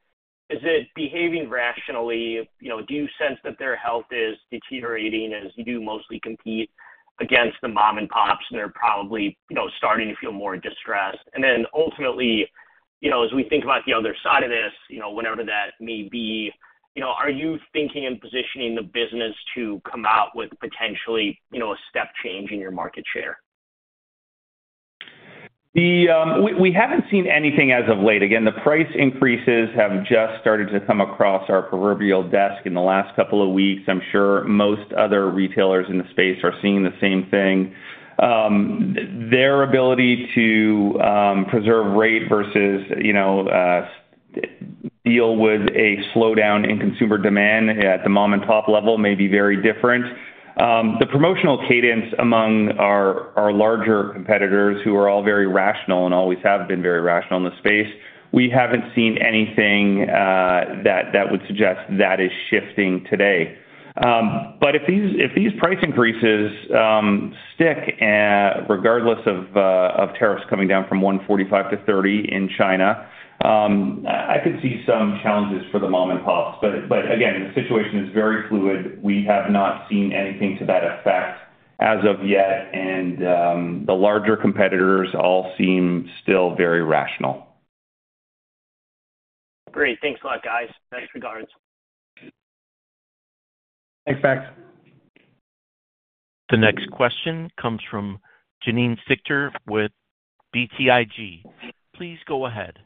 Is it behaving rationally? Do you sense that their health is deteriorating as you do mostly compete against the mom-and-pops, and they are probably starting to feel more distressed? Ultimately, as we think about the other side of this, whatever that may be, are you thinking and positioning the business to come out with potentially a step change in your market share? We have not seen anything as of late. Again, the price increases have just started to come across our proverbial desk in the last couple of weeks. I am sure most other retailers in the space are seeing the same thing. Their ability to preserve rate versus deal with a slowdown in consumer demand at the mom-and-pop level may be very different. The promotional cadence among our larger competitors who are all very rational and always have been very rational in the space, we have not seen anything that would suggest that is shifting today. If these price increases stick regardless of tariffs coming down from $145-$30 in China, I could see some challenges for the mom-and-pops. Again, the situation is very fluid. We have not seen anything to that effect as of yet, and the larger competitors all seem still very rational. Great. Thanks a lot, guys. Best regards. Thanks, Max. The next question comes from Janine Stichter with BTIG. Please go ahead.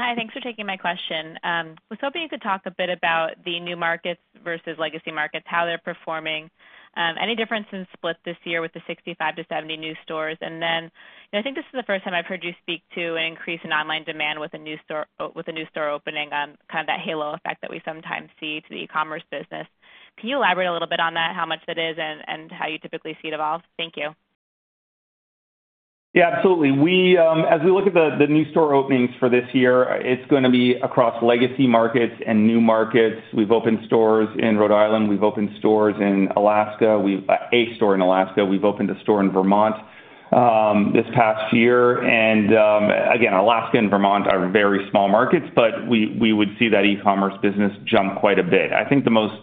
Hi. Thanks for taking my question. I was hoping you could talk a bit about the new markets versus legacy markets, how they're performing, any difference in split this year with the 65-70 new stores. I think this is the first time I've heard you speak to an increase in online demand with a new store opening on kind of that halo effect that we sometimes see to the e-commerce business. Can you elaborate a little bit on that, how much that is and how you typically see it evolve? Thank you. Yeah, absolutely. As we look at the new store openings for this year, it is going to be across legacy markets and new markets. We have opened stores in Rhode Island. We have opened stores in Alaska. We have a store in Alaska. We have opened a store in Vermont this past year. Alaska and Vermont are very small markets, but we would see that e-commerce business jump quite a bit. I think the most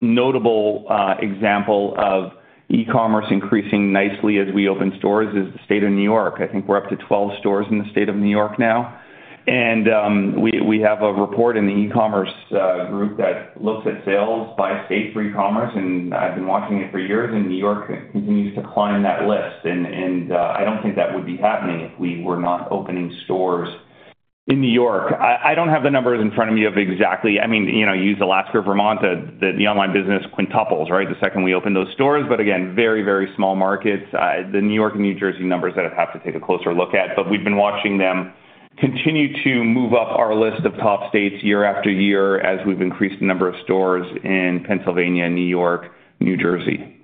notable example of e-commerce increasing nicely as we open stores is the state of New York. I think we are up to 12 stores in the state of New York now. We have a report in the e-commerce group that looks at sales by state for e-commerce, and I've been watching it for years, and New York continues to climb that list. I don't think that would be happening if we were not opening stores in New York. I don't have the numbers in front of me exactly. I mean, use Alaska, Vermont, the online business quintuples, right, the second we open those stores. Again, very, very small markets. The New York and New Jersey numbers I'd have to take a closer look at. We've been watching them continue to move up our list of top states year-after-year as we've increased the number of stores in Pennsylvania, New York, New Jersey.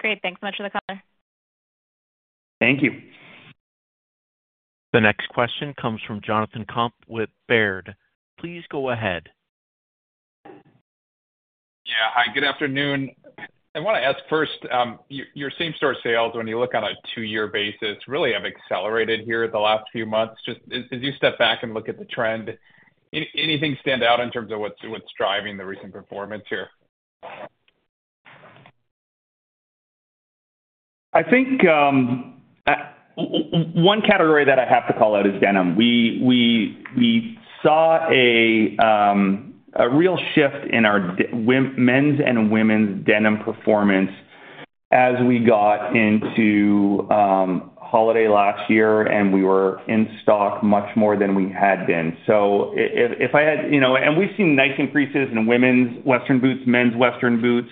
Great. Thanks so much for the color. Thank you. The next question comes from Jonathan Komp with Baird. Please go ahead. Yeah. Hi. Good afternoon. I want to ask first, your same-store sales, when you look on a two-year basis, really have accelerated here the last few months. Just as you step back and look at the trend, anything stand out in terms of what's driving the recent performance here? I think one category that I have to call out is denim. We saw a real shift in our men's and women's denim performance as we got into holiday last year, and we were in stock much more than we had been. If I had, and we've seen nice increases in women's Western boots, men's Western boots,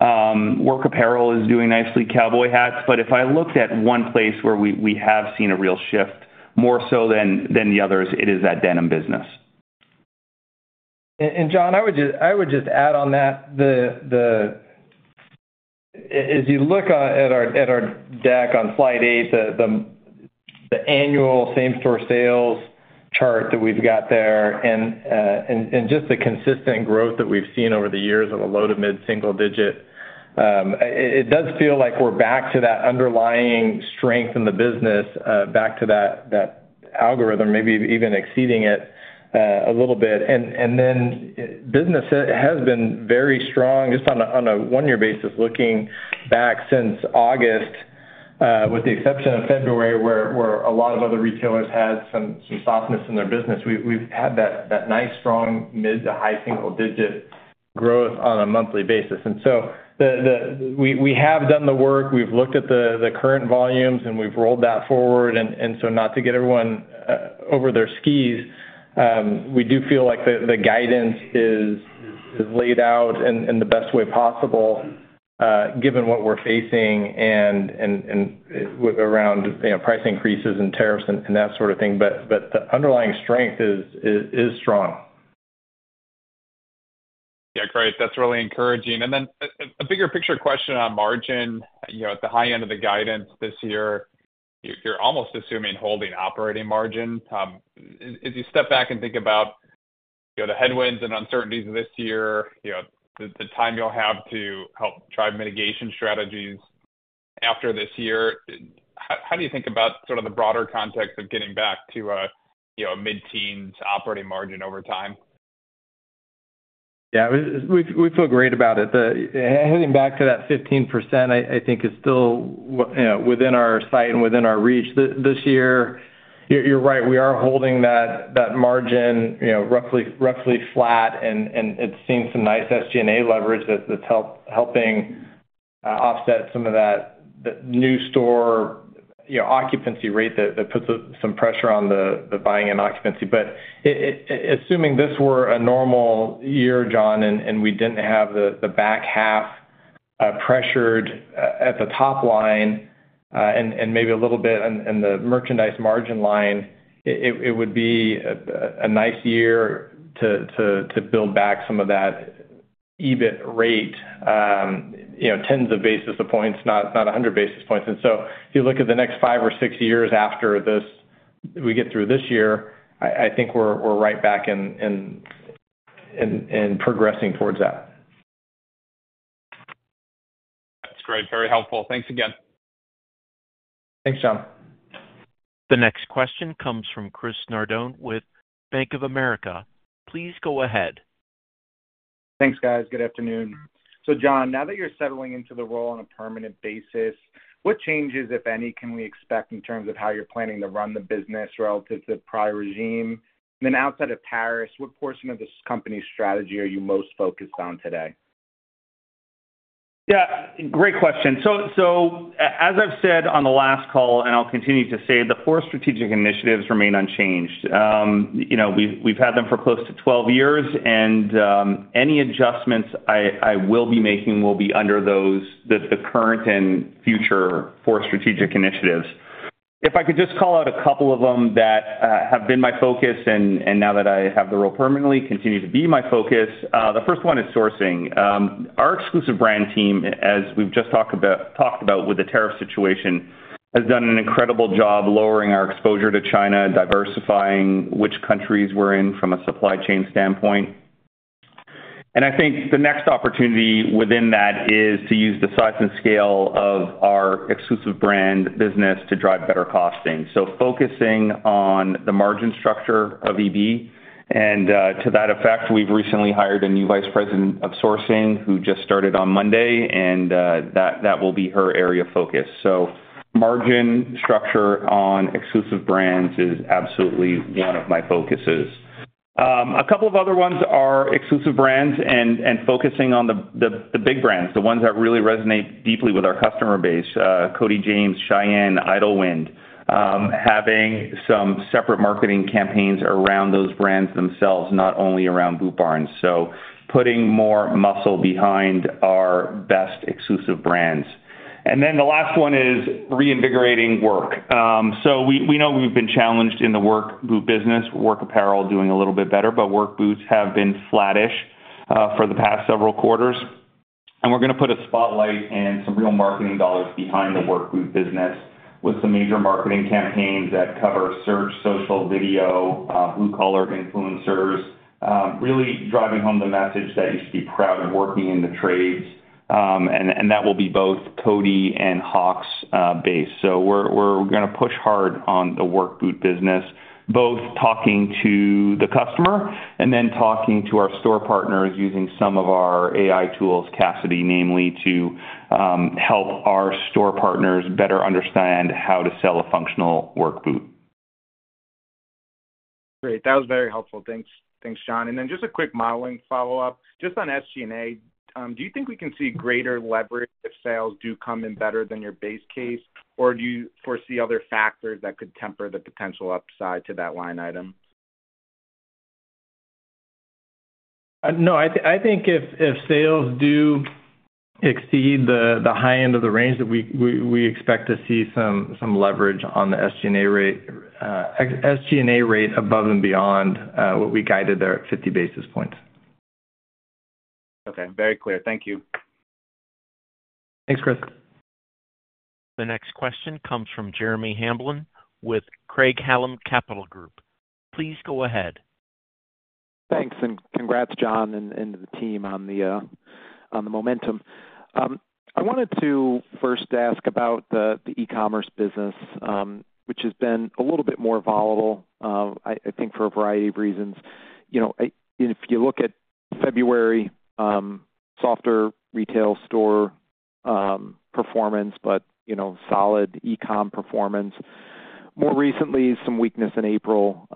work apparel is doing nicely, cowboy hats. If I looked at one place where we have seen a real shift, more so than the others, it is that denim business. John, I would just add on that. As you look at our deck on slide eight, the annual same-store sales chart that we've got there, and just the consistent growth that we've seen over the years of a low to mid-single digit, it does feel like we're back to that underlying strength in the business, back to that algorithm, maybe even exceeding it a little bit. Business has been very strong just on a one-year basis looking back since August, with the exception of February where a lot of other retailers had some softness in their business. We've had that nice strong mid to high single-digit growth on a monthly basis. We have done the work. We've looked at the current volumes, and we've rolled that forward. Not to get everyone over their skis, we do feel like the guidance is laid out in the best way possible given what we're facing around price increases and tariffs and that sort of thing. The underlying strength is strong. Yeah. Great. That's really encouraging. A bigger picture question on margin. At the high end of the guidance this year, you're almost assuming holding operating margin. As you step back and think about the headwinds and uncertainties this year, the time you'll have to help drive mitigation strategies after this year, how do you think about sort of the broader context of getting back to a mid-teens operating margin over time? Yeah. We feel great about it. Heading back to that 15% I think is still within our sight and within our reach this year. You're right. We are holding that margin roughly flat, and it's seen some nice SG&A leverage that's helping offset some of that new store occupancy rate that puts some pressure on the buying and occupancy. Assuming this were a normal year, John, and we didn't have the back half pressured at the top line and maybe a little bit in the merchandise margin line, it would be a nice year to build back some of that EBIT rate, tens of basis points, not 100 basis points. If you look at the next five or six years after this, we get through this year, I think we're right back in progressing towards that. That's great. Very helpful. Thanks again. Thanks, John. The next question comes from Chris Nardone with Bank of America. Please go ahead. Thanks, guys. Good afternoon. John, now that you're settling into the role on a permanent basis, what changes, if any, can we expect in terms of how you're planning to run the business relative to the prior regime? Outside of Paris, what portion of this company's strategy are you most focused on today? Yeah. Great question. As I've said on the last call, and I'll continue to say, the four strategic initiatives remain unchanged. We've had them for close to 12 years, and any adjustments I will be making will be under the current and future four strategic initiatives. If I could just call out a couple of them that have been my focus and now that I have the role permanently continue to be my focus. The first one is sourcing. Our exclusive brand team, as we've just talked about with the tariff situation, has done an incredible job lowering our exposure to China, diversifying which countries we're in from a supply chain standpoint. I think the next opportunity within that is to use the size and scale of our exclusive brand business to drive better costing. Focusing on the margin structure of EB. To that effect, we've recently hired a new Vice President of Sourcing who just started on Monday, and that will be her area of focus. Margin structure on exclusive brands is absolutely one of my focuses. A couple of other ones are exclusive brands and focusing on the big brands, the ones that really resonate deeply with our customer base, Cody James, Cheyenne, Idlewind, having some separate marketing campaigns around those brands themselves, not only around Boot Barn. Putting more muscle behind our best exclusive brands. The last one is reinvigorating work. We know we've been challenged in the work boot business, work apparel doing a little bit better, but work boots have been flattish for the past several quarters. We're going to put a spotlight and some real marketing dollars behind the work boot business with some major marketing campaigns that cover search, social video, blue-collar influencers, really driving home the message that you should be proud of working in the trades. That will be both Cody James and Hawx based. We're going to push hard on the work boot business, both talking to the customer and then talking to our store partners using some of our AI tools, Cassidy, namely, to help our store partners better understand how to sell a functional work boot. Great. That was very helpful. Thanks, John. Just a quick modeling follow-up. Just on SG&A, do you think we can see greater leverage if sales do come in better than your base case, or do you foresee other factors that could temper the potential upside to that line item? No. I think if sales do exceed the high end of the range that we expect to see some leverage on the SG&A rate above and beyond what we guided there at 50 basis points. Okay. Very clear. Thank you. Thanks, Chris. The next question comes from Jeremy Hamblin with Craig-Hallum Capital Group. Please go ahead. Thanks. Congrats, John, and the team on the momentum. I wanted to first ask about the e-commerce business, which has been a little bit more volatile, I think, for a variety of reasons. If you look at February, softer retail store performance, but solid e-com performance. More recently, some weakness in April,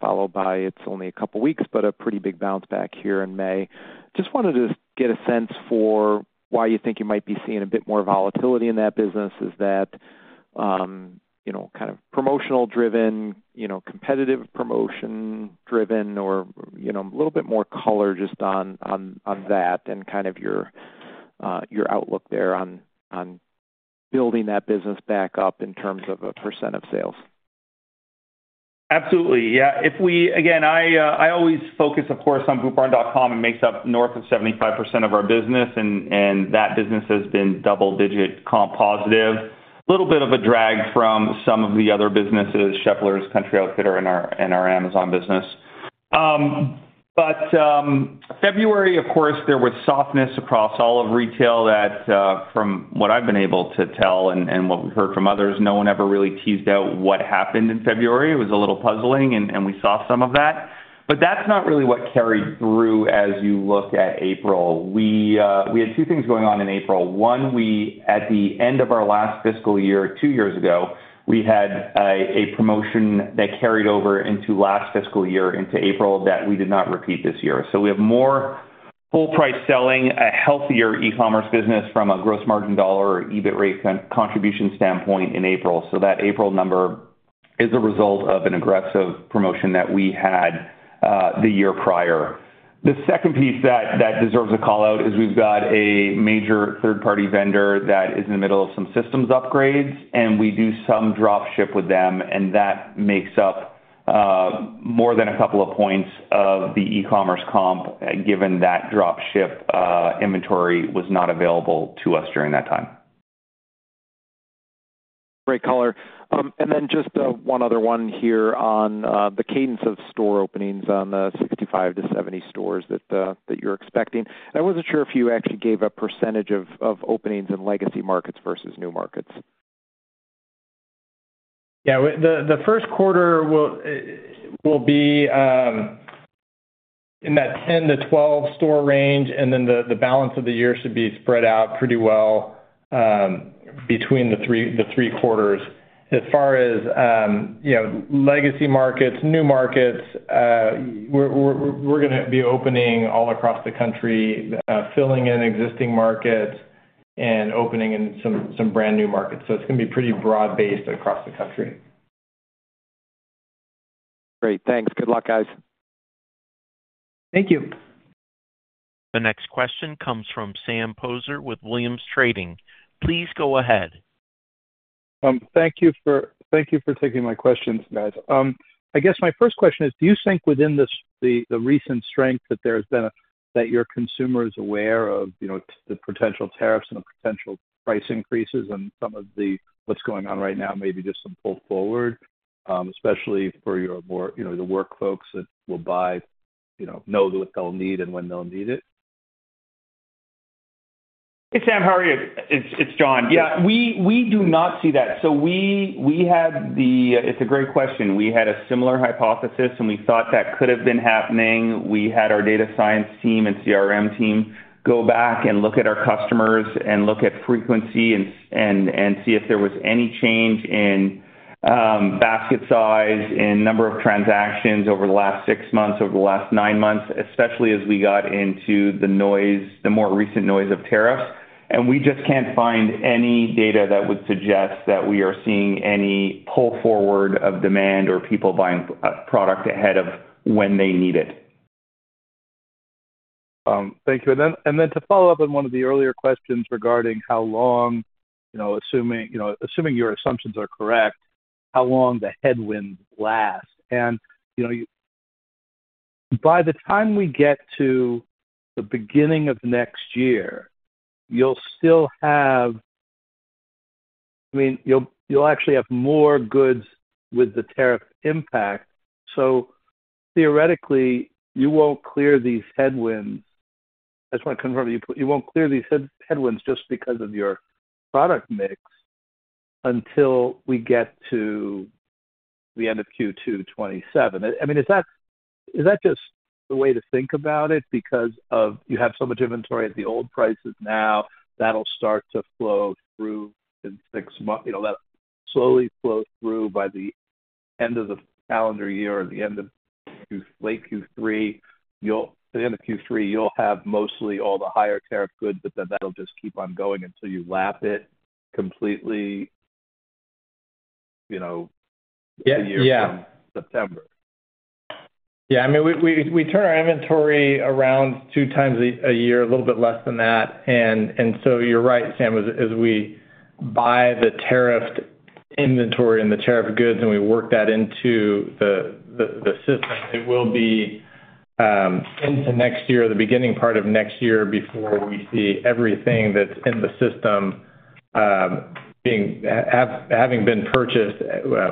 followed by it's only a couple of weeks, but a pretty big bounce back here in May. Just wanted to get a sense for why you think you might be seeing a bit more volatility in that business. Is that kind of promotional-driven, competitive promotion-driven, or a little bit more color just on that and kind of your outlook there on building that business back up in terms of a percent of sales? Absolutely. Yeah. Again, I always focus, of course, on bootbarn.com. It makes up north of 75% of our business, and that business has been double-digit comp positive. A little bit of a drag from some of the other businesses, Scheels, Country Outfitter, and our Amazon business. February, of course, there was softness across all of retail that, from what I've been able to tell and what we've heard from others, no one ever really teased out what happened in February. It was a little puzzling, and we saw some of that. That's not really what carried through as you look at April. We had two things going on in April. One, at the end of our last fiscal year, two years ago, we had a promotion that carried over into last fiscal year, into April, that we did not repeat this year. We have more full-price selling, a healthier e-commerce business from a gross margin dollar or EBIT rate contribution standpoint in April. That April number is the result of an aggressive promotion that we had the year prior. The second piece that deserves a callout is we've got a major third-party vendor that is in the middle of some systems upgrades, and we do some dropship with them, and that makes up more than a couple of points of the e-commerce comp given that dropship inventory was not available to us during that time. Great color. And then just one other one here on the cadence of store openings on the 65-70 stores that you're expecting. I wasn't sure if you actually gave a percentage of openings in legacy markets versus new markets. Yeah. The first quarter will be in that 10-12 store range, and then the balance of the year should be spread out pretty well between the three quarters. As far as legacy markets, new markets, we're going to be opening all across the country, filling in existing markets, and opening in some brand new markets. It is going to be pretty broad-based across the country. Great. Thanks. Good luck, guys. Thank you. The next question comes from Sam Poser with Williams Trading. Please go ahead. Thank you for taking my questions, guys. I guess my first question is, do you think within the recent strength that there has been that your consumer is aware of the potential tariffs and the potential price increases and some of what's going on right now, maybe just some pull forward, especially for your more the work folks that will buy, know what they'll need and when they'll need it? Hey, Sam. How are you? It's John. Yeah. We do not see that. It is a great question. We had a similar hypothesis, and we thought that could have been happening. We had our data science team and CRM team go back and look at our customers and look at frequency and see if there was any change in basket size, in number of transactions over the last six months, over the last nine months, especially as we got into the more recent noise of tariffs. We just cannot find any data that would suggest that we are seeing any pull forward of demand or people buying product ahead of when they need it. Thank you. To follow up on one of the earlier questions regarding how long, assuming your assumptions are correct, how long the headwinds last. By the time we get to the beginning of next year, you will still have, I mean, you will actually have more goods with the tariff impact. Theoretically, you won't clear these headwinds. I just want to confirm, you won't clear these headwinds just because of your product mix until we get to the end of Q2 2027. I mean, is that just the way to think about it because you have so much inventory at the old prices now? That'll start to flow through in six months. That'll slowly flow through by the end of the calendar year or the end of late Q3. By the end of Q3, you'll have mostly all the higher tariff goods, but then that'll just keep on going until you lap it completely the year comes September. Yeah. I mean, we turn our inventory around two times a year, a little bit less than that. You're right, Sam, as we buy the tariffed inventory and the tariff goods and we work that into the system, it will be into next year, the beginning part of next year before we see everything that's in the system having been purchased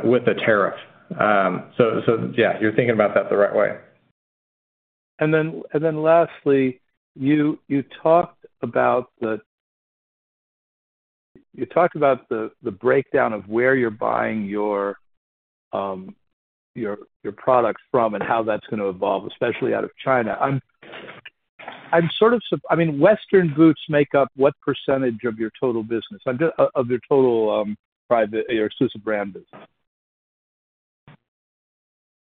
with a tariff. Yeah, you're thinking about that the right way. Lastly, you talked about the breakdown of where you're buying your products from and how that's going to evolve, especially out of China. I mean, Western boots make up what percentage of your total business, of your total exclusive brand business?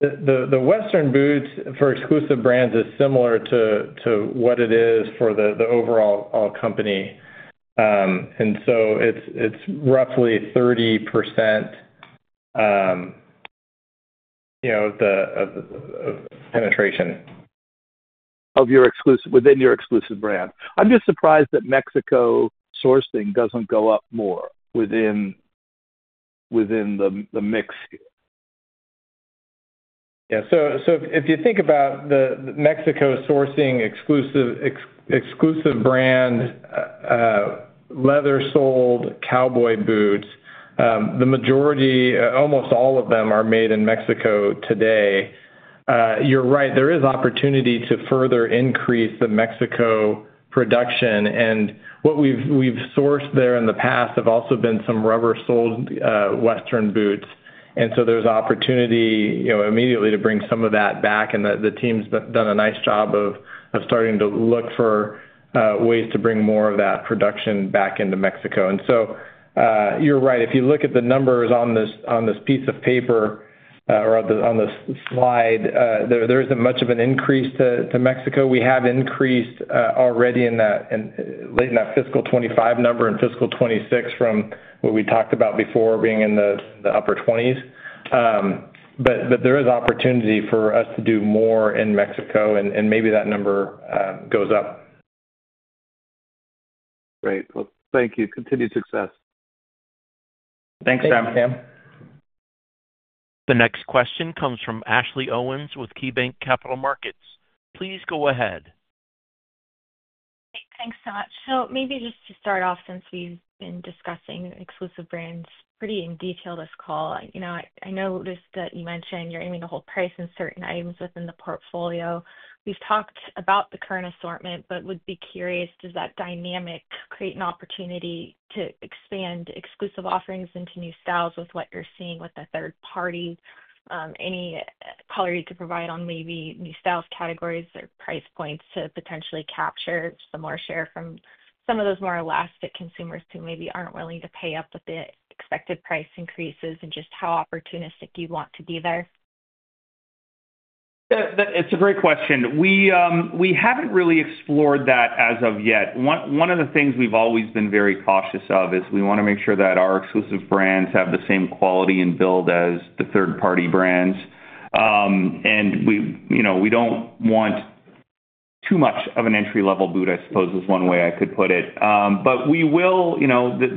The Western boots for exclusive brands is similar to what it is for the overall company. It's roughly 30% of the penetration within your exclusive brand. I'm just surprised that Mexico sourcing doesn't go up more within the mix here. Yeah. If you think about the Mexico sourcing exclusive brand, leather-soled cowboy boots, the majority, almost all of them, are made in Mexico today. You're right. There is opportunity to further increase the Mexico production. What we've sourced there in the past have also been some rubber-soled Western boots. There is opportunity immediately to bring some of that back. The team's done a nice job of starting to look for ways to bring more of that production back into Mexico. You're right. If you look at the numbers on this piece of paper or on this slide, there isn't much of an increase to Mexico. We have increased already in that late in that fiscal 2025 number and fiscal 2026 from what we talked about before being in the upper 20s. There is opportunity for us to do more in Mexico, and maybe that number goes up. Thank you. Continued success. Thanks, Sam. Thanks, Sam. The next question comes from Ashley Owens with KeyBanc Capital Markets. Please go ahead. Thanks so much. Maybe just to start off, since we've been discussing exclusive brands pretty in detail this call, I noticed that you mentioned you're aiming to hold price in certain items within the portfolio. We've talked about the current assortment, but would be curious, does that dynamic create an opportunity to expand exclusive offerings into new styles with what you're seeing with the third party? Any color you could provide on maybe new styles, categories, or price points to potentially capture some more share from some of those more elastic consumers who maybe aren't willing to pay up with the expected price increases and just how opportunistic you want to be there? It's a great question. We haven't really explored that as of yet. One of the things we've always been very cautious of is we want to make sure that our exclusive brands have the same quality and build as the third-party brands. We don't want too much of an entry-level boot, I suppose, is one way I could put it. We will,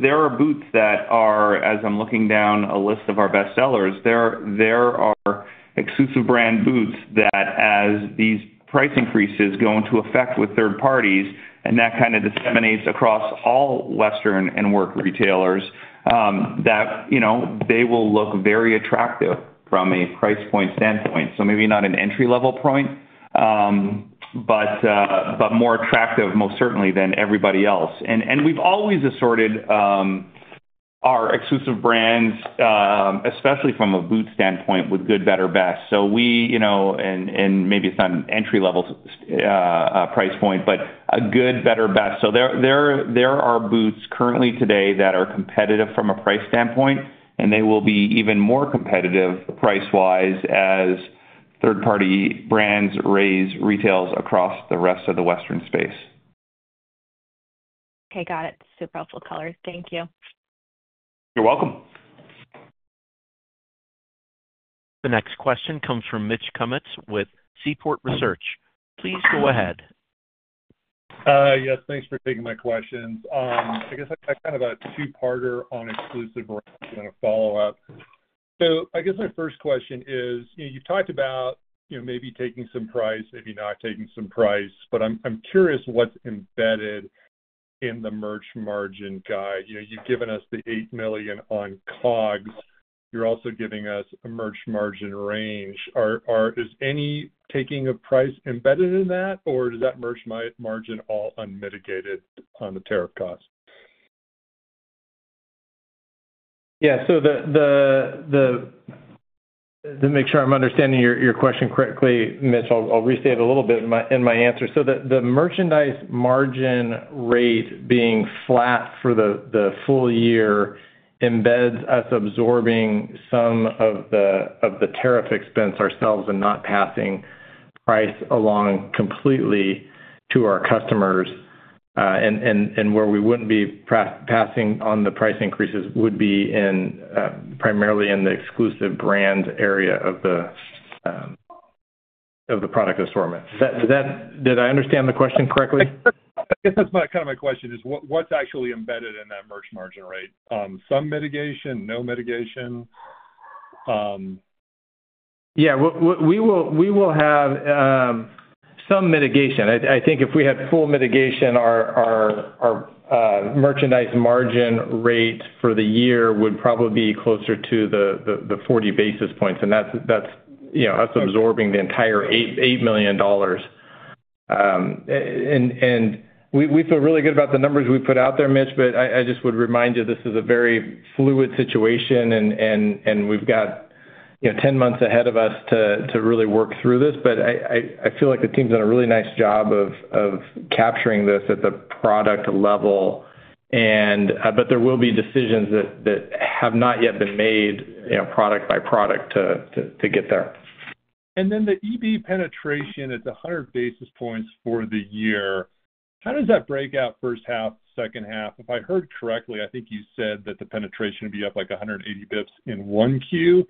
there are boots that are, as I'm looking down a list of our best sellers, there are exclusive brand boots that, as these price increases go into effect with third parties, and that kind of disseminates across all Western and work retailers, that they will look very attractive from a price point standpoint. Maybe not an entry-level point, but more attractive, most certainly, than everybody else. We have always assorted our exclusive brands, especially from a boot standpoint, with good, better, best. Maybe it is not an entry-level price point, but a good, better, best. There are boots currently today that are competitive from a price standpoint, and they will be even more competitive price-wise as third-party brands raise retails across the rest of the Western space. Okay. Got it. Super helpful color. Thank you . You're welcome. The next question comes from Mitch Kummets with Seaport Research. Please go ahead. Yes. Thanks for taking my questions. I guess I kind of have a two-parter on exclusive brands and a follow-up. I guess my first question is, you've talked about maybe taking some price, maybe not taking some price, but I'm curious what's embedded in the merch margin guide. You've given us the $8 million on cogs. You're also giving us a merch margin range. Is any taking of price embedded in that, or does that merch margin all unmitigated on the tariff cost? Yeah. To make sure I'm understanding your question correctly, Mitch, I'll restate it a little bit in my answer. The merchandise margin rate being flat for the full year embeds us absorbing some of the tariff expense ourselves and not passing price along completely to our customers. Where we would not be passing on the price increases would be primarily in the exclusive brand area of the product assortment. Did I understand the question correctly? I guess that is kind of my question, is what is actually embedded in that merch margin rate? Some mitigation, no mitigation? Yeah. We will have some mitigation. I think if we had full mitigation, our merchandise margin rate for the year would probably be closer to the 40 basis points. That is us absorbing the entire $8 million. We feel really good about the numbers we put out there, Mitch, but I just would remind you this is a very fluid situation, and we have 10 months ahead of us to really work through this. I feel like the team has done a really nice job of capturing this at the product level. There will be decisions that have not yet been made product by product to get there. The EB penetration, it is 100 basis points for the year. How does that break out first half, second half? If I heard correctly, I think you said that the penetration would be up like 180 basis points in one Q.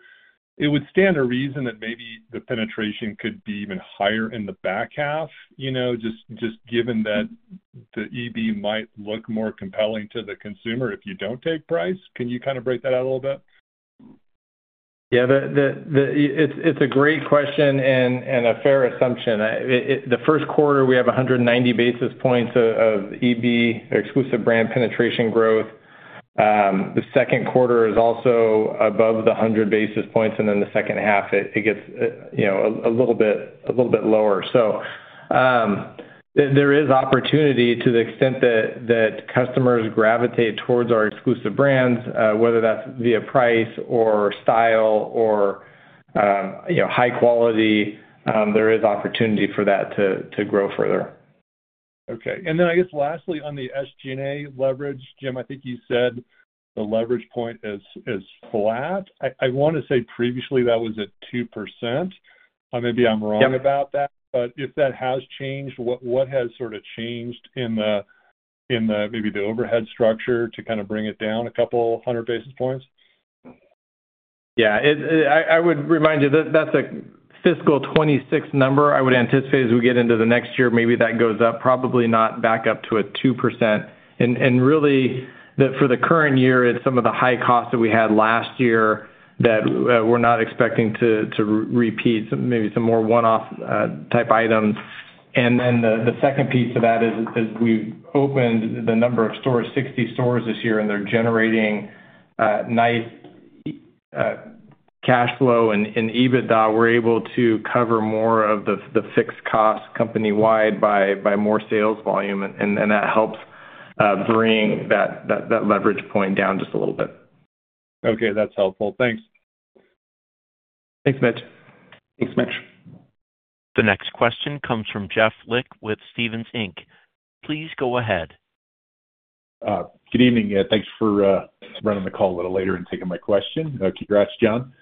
It would stand to reason that maybe the penetration could be even higher in the back half, just given that the EB might look more compelling to the consumer if you do not take price. Can you kind of break that out a little bit? Yeah. It is a great question and a fair assumption. The first quarter, we have 190 basis points of EB, exclusive brand penetration growth. The second quarter is also above the 100 basis points, and then the second half, it gets a little bit lower. There is opportunity to the extent that customers gravitate towards our exclusive brands, whether that is via price or style or high quality, there is opportunity for that to grow further. Okay. I guess lastly, on the SG&A leverage, Jim, I think you said the leverage point is flat. I want to say previously that was at 2%. Maybe I am wrong about that. If that has changed, what has sort of changed in maybe the overhead structure to kind of bring it down a couple hundred basis points? Yeah. I would remind you that is a fiscal 2026 number. I would anticipate as we get into the next year, maybe that goes up, probably not back up to a 2%. For the current year, it's some of the high costs that we had last year that we're not expecting to repeat, maybe some more one-off type items. The second piece to that is we've opened the number of stores, 60 stores this year, and they're generating nice cash flow. EBITDA, we're able to cover more of the fixed cost company-wide by more sales volume. That helps bring that leverage point down just a little bit. Okay. That's helpful. Thanks .Thanks, Mitch. The next question comes from Jeff Lick with Stephens Inc. Please go ahead. Good evening. Thanks for running the call a little later and taking my question. Congrats, John.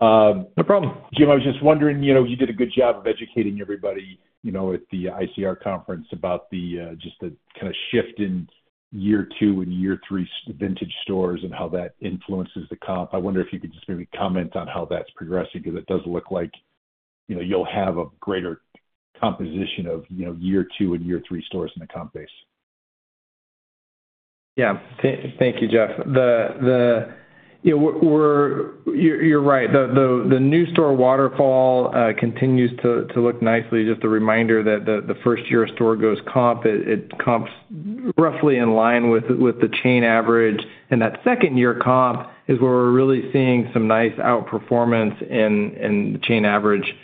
No problem. Jim, I was just wondering, you did a good job of educating everybody at the ICR conference about just the kind of shift in year two and year three vintage stores and how that influences the comp. I wonder if you could just maybe comment on how that's progressing because it does look like you'll have a greater composition of year two and year three stores in the comp base. Yeah. Thank you, Jeff. You're right. The new store waterfall continues to look nicely. Just a reminder that the first-year store goes comp, it comps roughly in line with the chain average. And that second-year comp is where we're really seeing some nice outperformance in the chain average.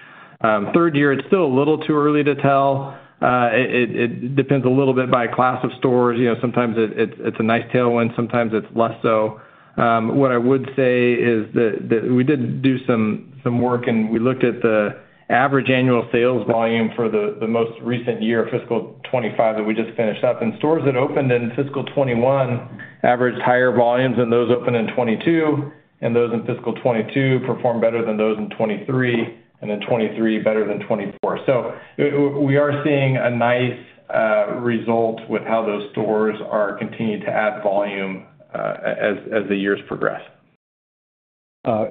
Third year, it's still a little too early to tell. It depends a little bit by class of stores. Sometimes it's a nice tailwind. Sometimes it's less so. What I would say is that we did do some work, and we looked at the average annual sales volume for the most recent year, fiscal 2025 that we just finished up. And stores that opened in fiscal 2021 averaged higher volumes than those opened in 2022. And those in fiscal 2022 performed better than those in 2023, and in 2023, better than 2024. So we are seeing a nice result with how those stores are continuing to add volume as the years progress.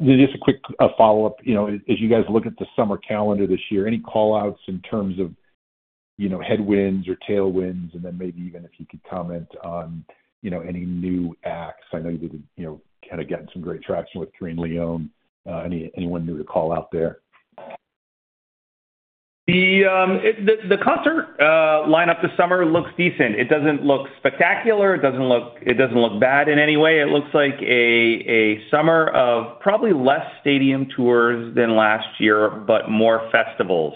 Just a quick follow-up. As you guys look at the summer calendar this year, any callouts in terms of headwinds or tailwinds? And then maybe even if you could comment on any new acts. I know you're kind of getting some great traction with Karine Leon. Anyone new to call out there? The concert lineup this summer looks decent. It doesn't look spectacular. It does not look bad in any way. It looks like a summer of probably less stadium tours than last year, but more festivals.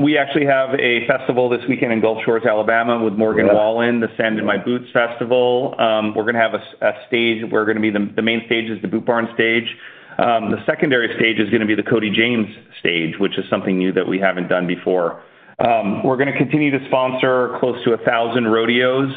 We actually have a festival this weekend in Gulf Shores, Alabama, with Morgan Wallen, the Sand in My Boots Festival. We are going to have a stage. The main stage is the Boot Barn stage. The secondary stage is going to be the Cody James Stage, which is something new that we have not done before. We are going to continue to sponsor close to 1,000 rodeos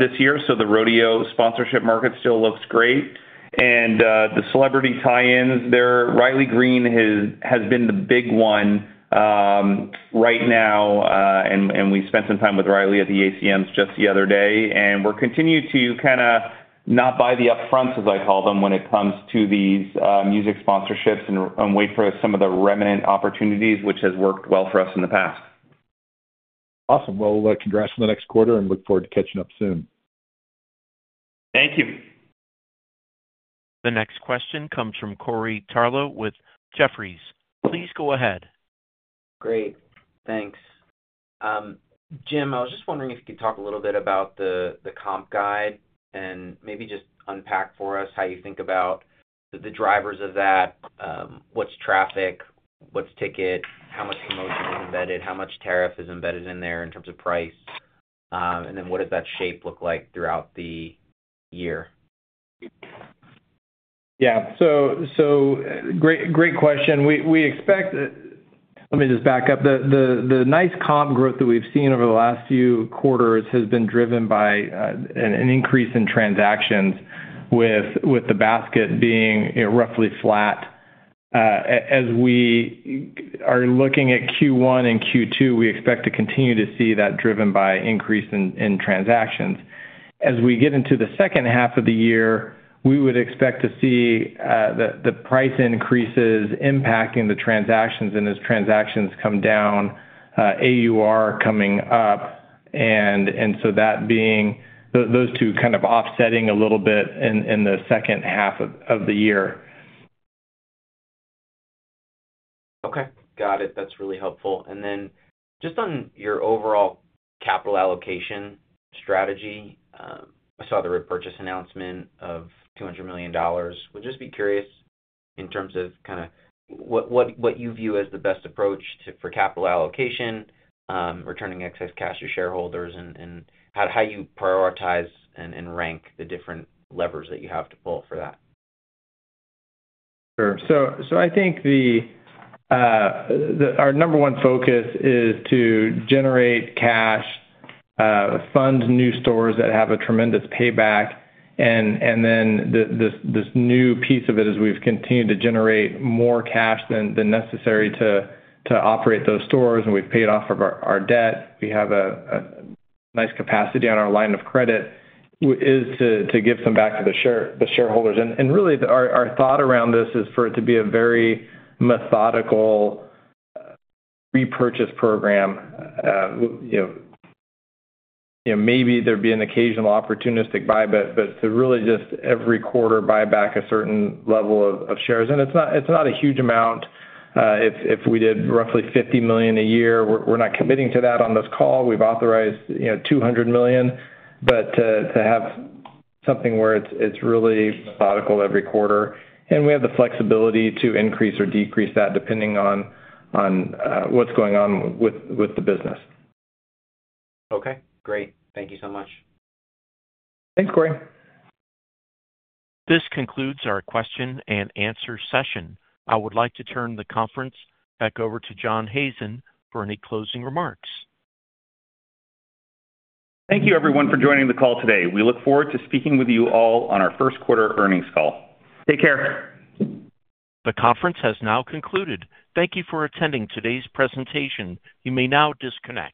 this year. The rodeo sponsorship market still looks great. The celebrity tie-ins, Riley Green has been the big one right now. We spent some time with Riley at the ACMs just the other day. We're continuing to kind of not buy the upfronts, as I call them, when it comes to these music sponsorships and wait for some of the remnant opportunities, which has worked well for us in the past. Awesome. Congrats on the next quarter, and look forward to catching up soon. Thank you. The next question comes from Corey Tarlow with Jefferies. Please go ahead. Great. Thanks. Jim, I was just wondering if you could talk a little bit about the comp guide and maybe just unpack for us how you think about the drivers of that, what's traffic, what's ticket, how much promotion is embedded, how much tariff is embedded in there in terms of price, and then what does that shape look like throughout the year? Yeah. Great question. Let me just back up. The nice comp growth that we've seen over the last few quarters has been driven by an increase in transactions, with the basket being roughly flat. As we are looking at Q1 and Q2, we expect to continue to see that driven by increase in transactions. As we get into the second half of the year, we would expect to see the price increases impacting the transactions, and as transactions come down, AUR coming up. Those two kind of offsetting a little bit in the second half of the year. Okay. Got it. That's really helpful. And then just on your overall capital allocation strategy, I saw the repurchase announcement of $200 million. Would just be curious in terms of kind of what you view as the best approach for capital allocation, returning excess cash to shareholders, and how you prioritize and rank the different levers that you have to pull for that. Sure. I think our number one focus is to generate cash, fund new stores that have a tremendous payback. This new piece of it is we've continued to generate more cash than necessary to operate those stores, and we've paid off our debt. We have a nice capacity on our line of credit to give some back to the shareholders. Really, our thought around this is for it to be a very methodical repurchase program. Maybe there'd be an occasional opportunistic buy, but to really just every quarter buy back a certain level of shares. It's not a huge amount. If we did roughly $50 million a year, we're not committing to that on this call. We've authorized $200 million. To have something where it's really methodical every quarter. We have the flexibility to increase or decrease that depending on what's going on with the business. Okay. Great. Thank you so much. Thanks, Corey. This concludes our question and answer session. I would like to turn the conference back over to John Hazen for any closing remarks. Thank you, everyone, for joining the call today. We look forward to speaking with you all on our first quarter earnings call. Take care. The conference has now concluded. Thank you for attending today's presentation. You may now disconnect.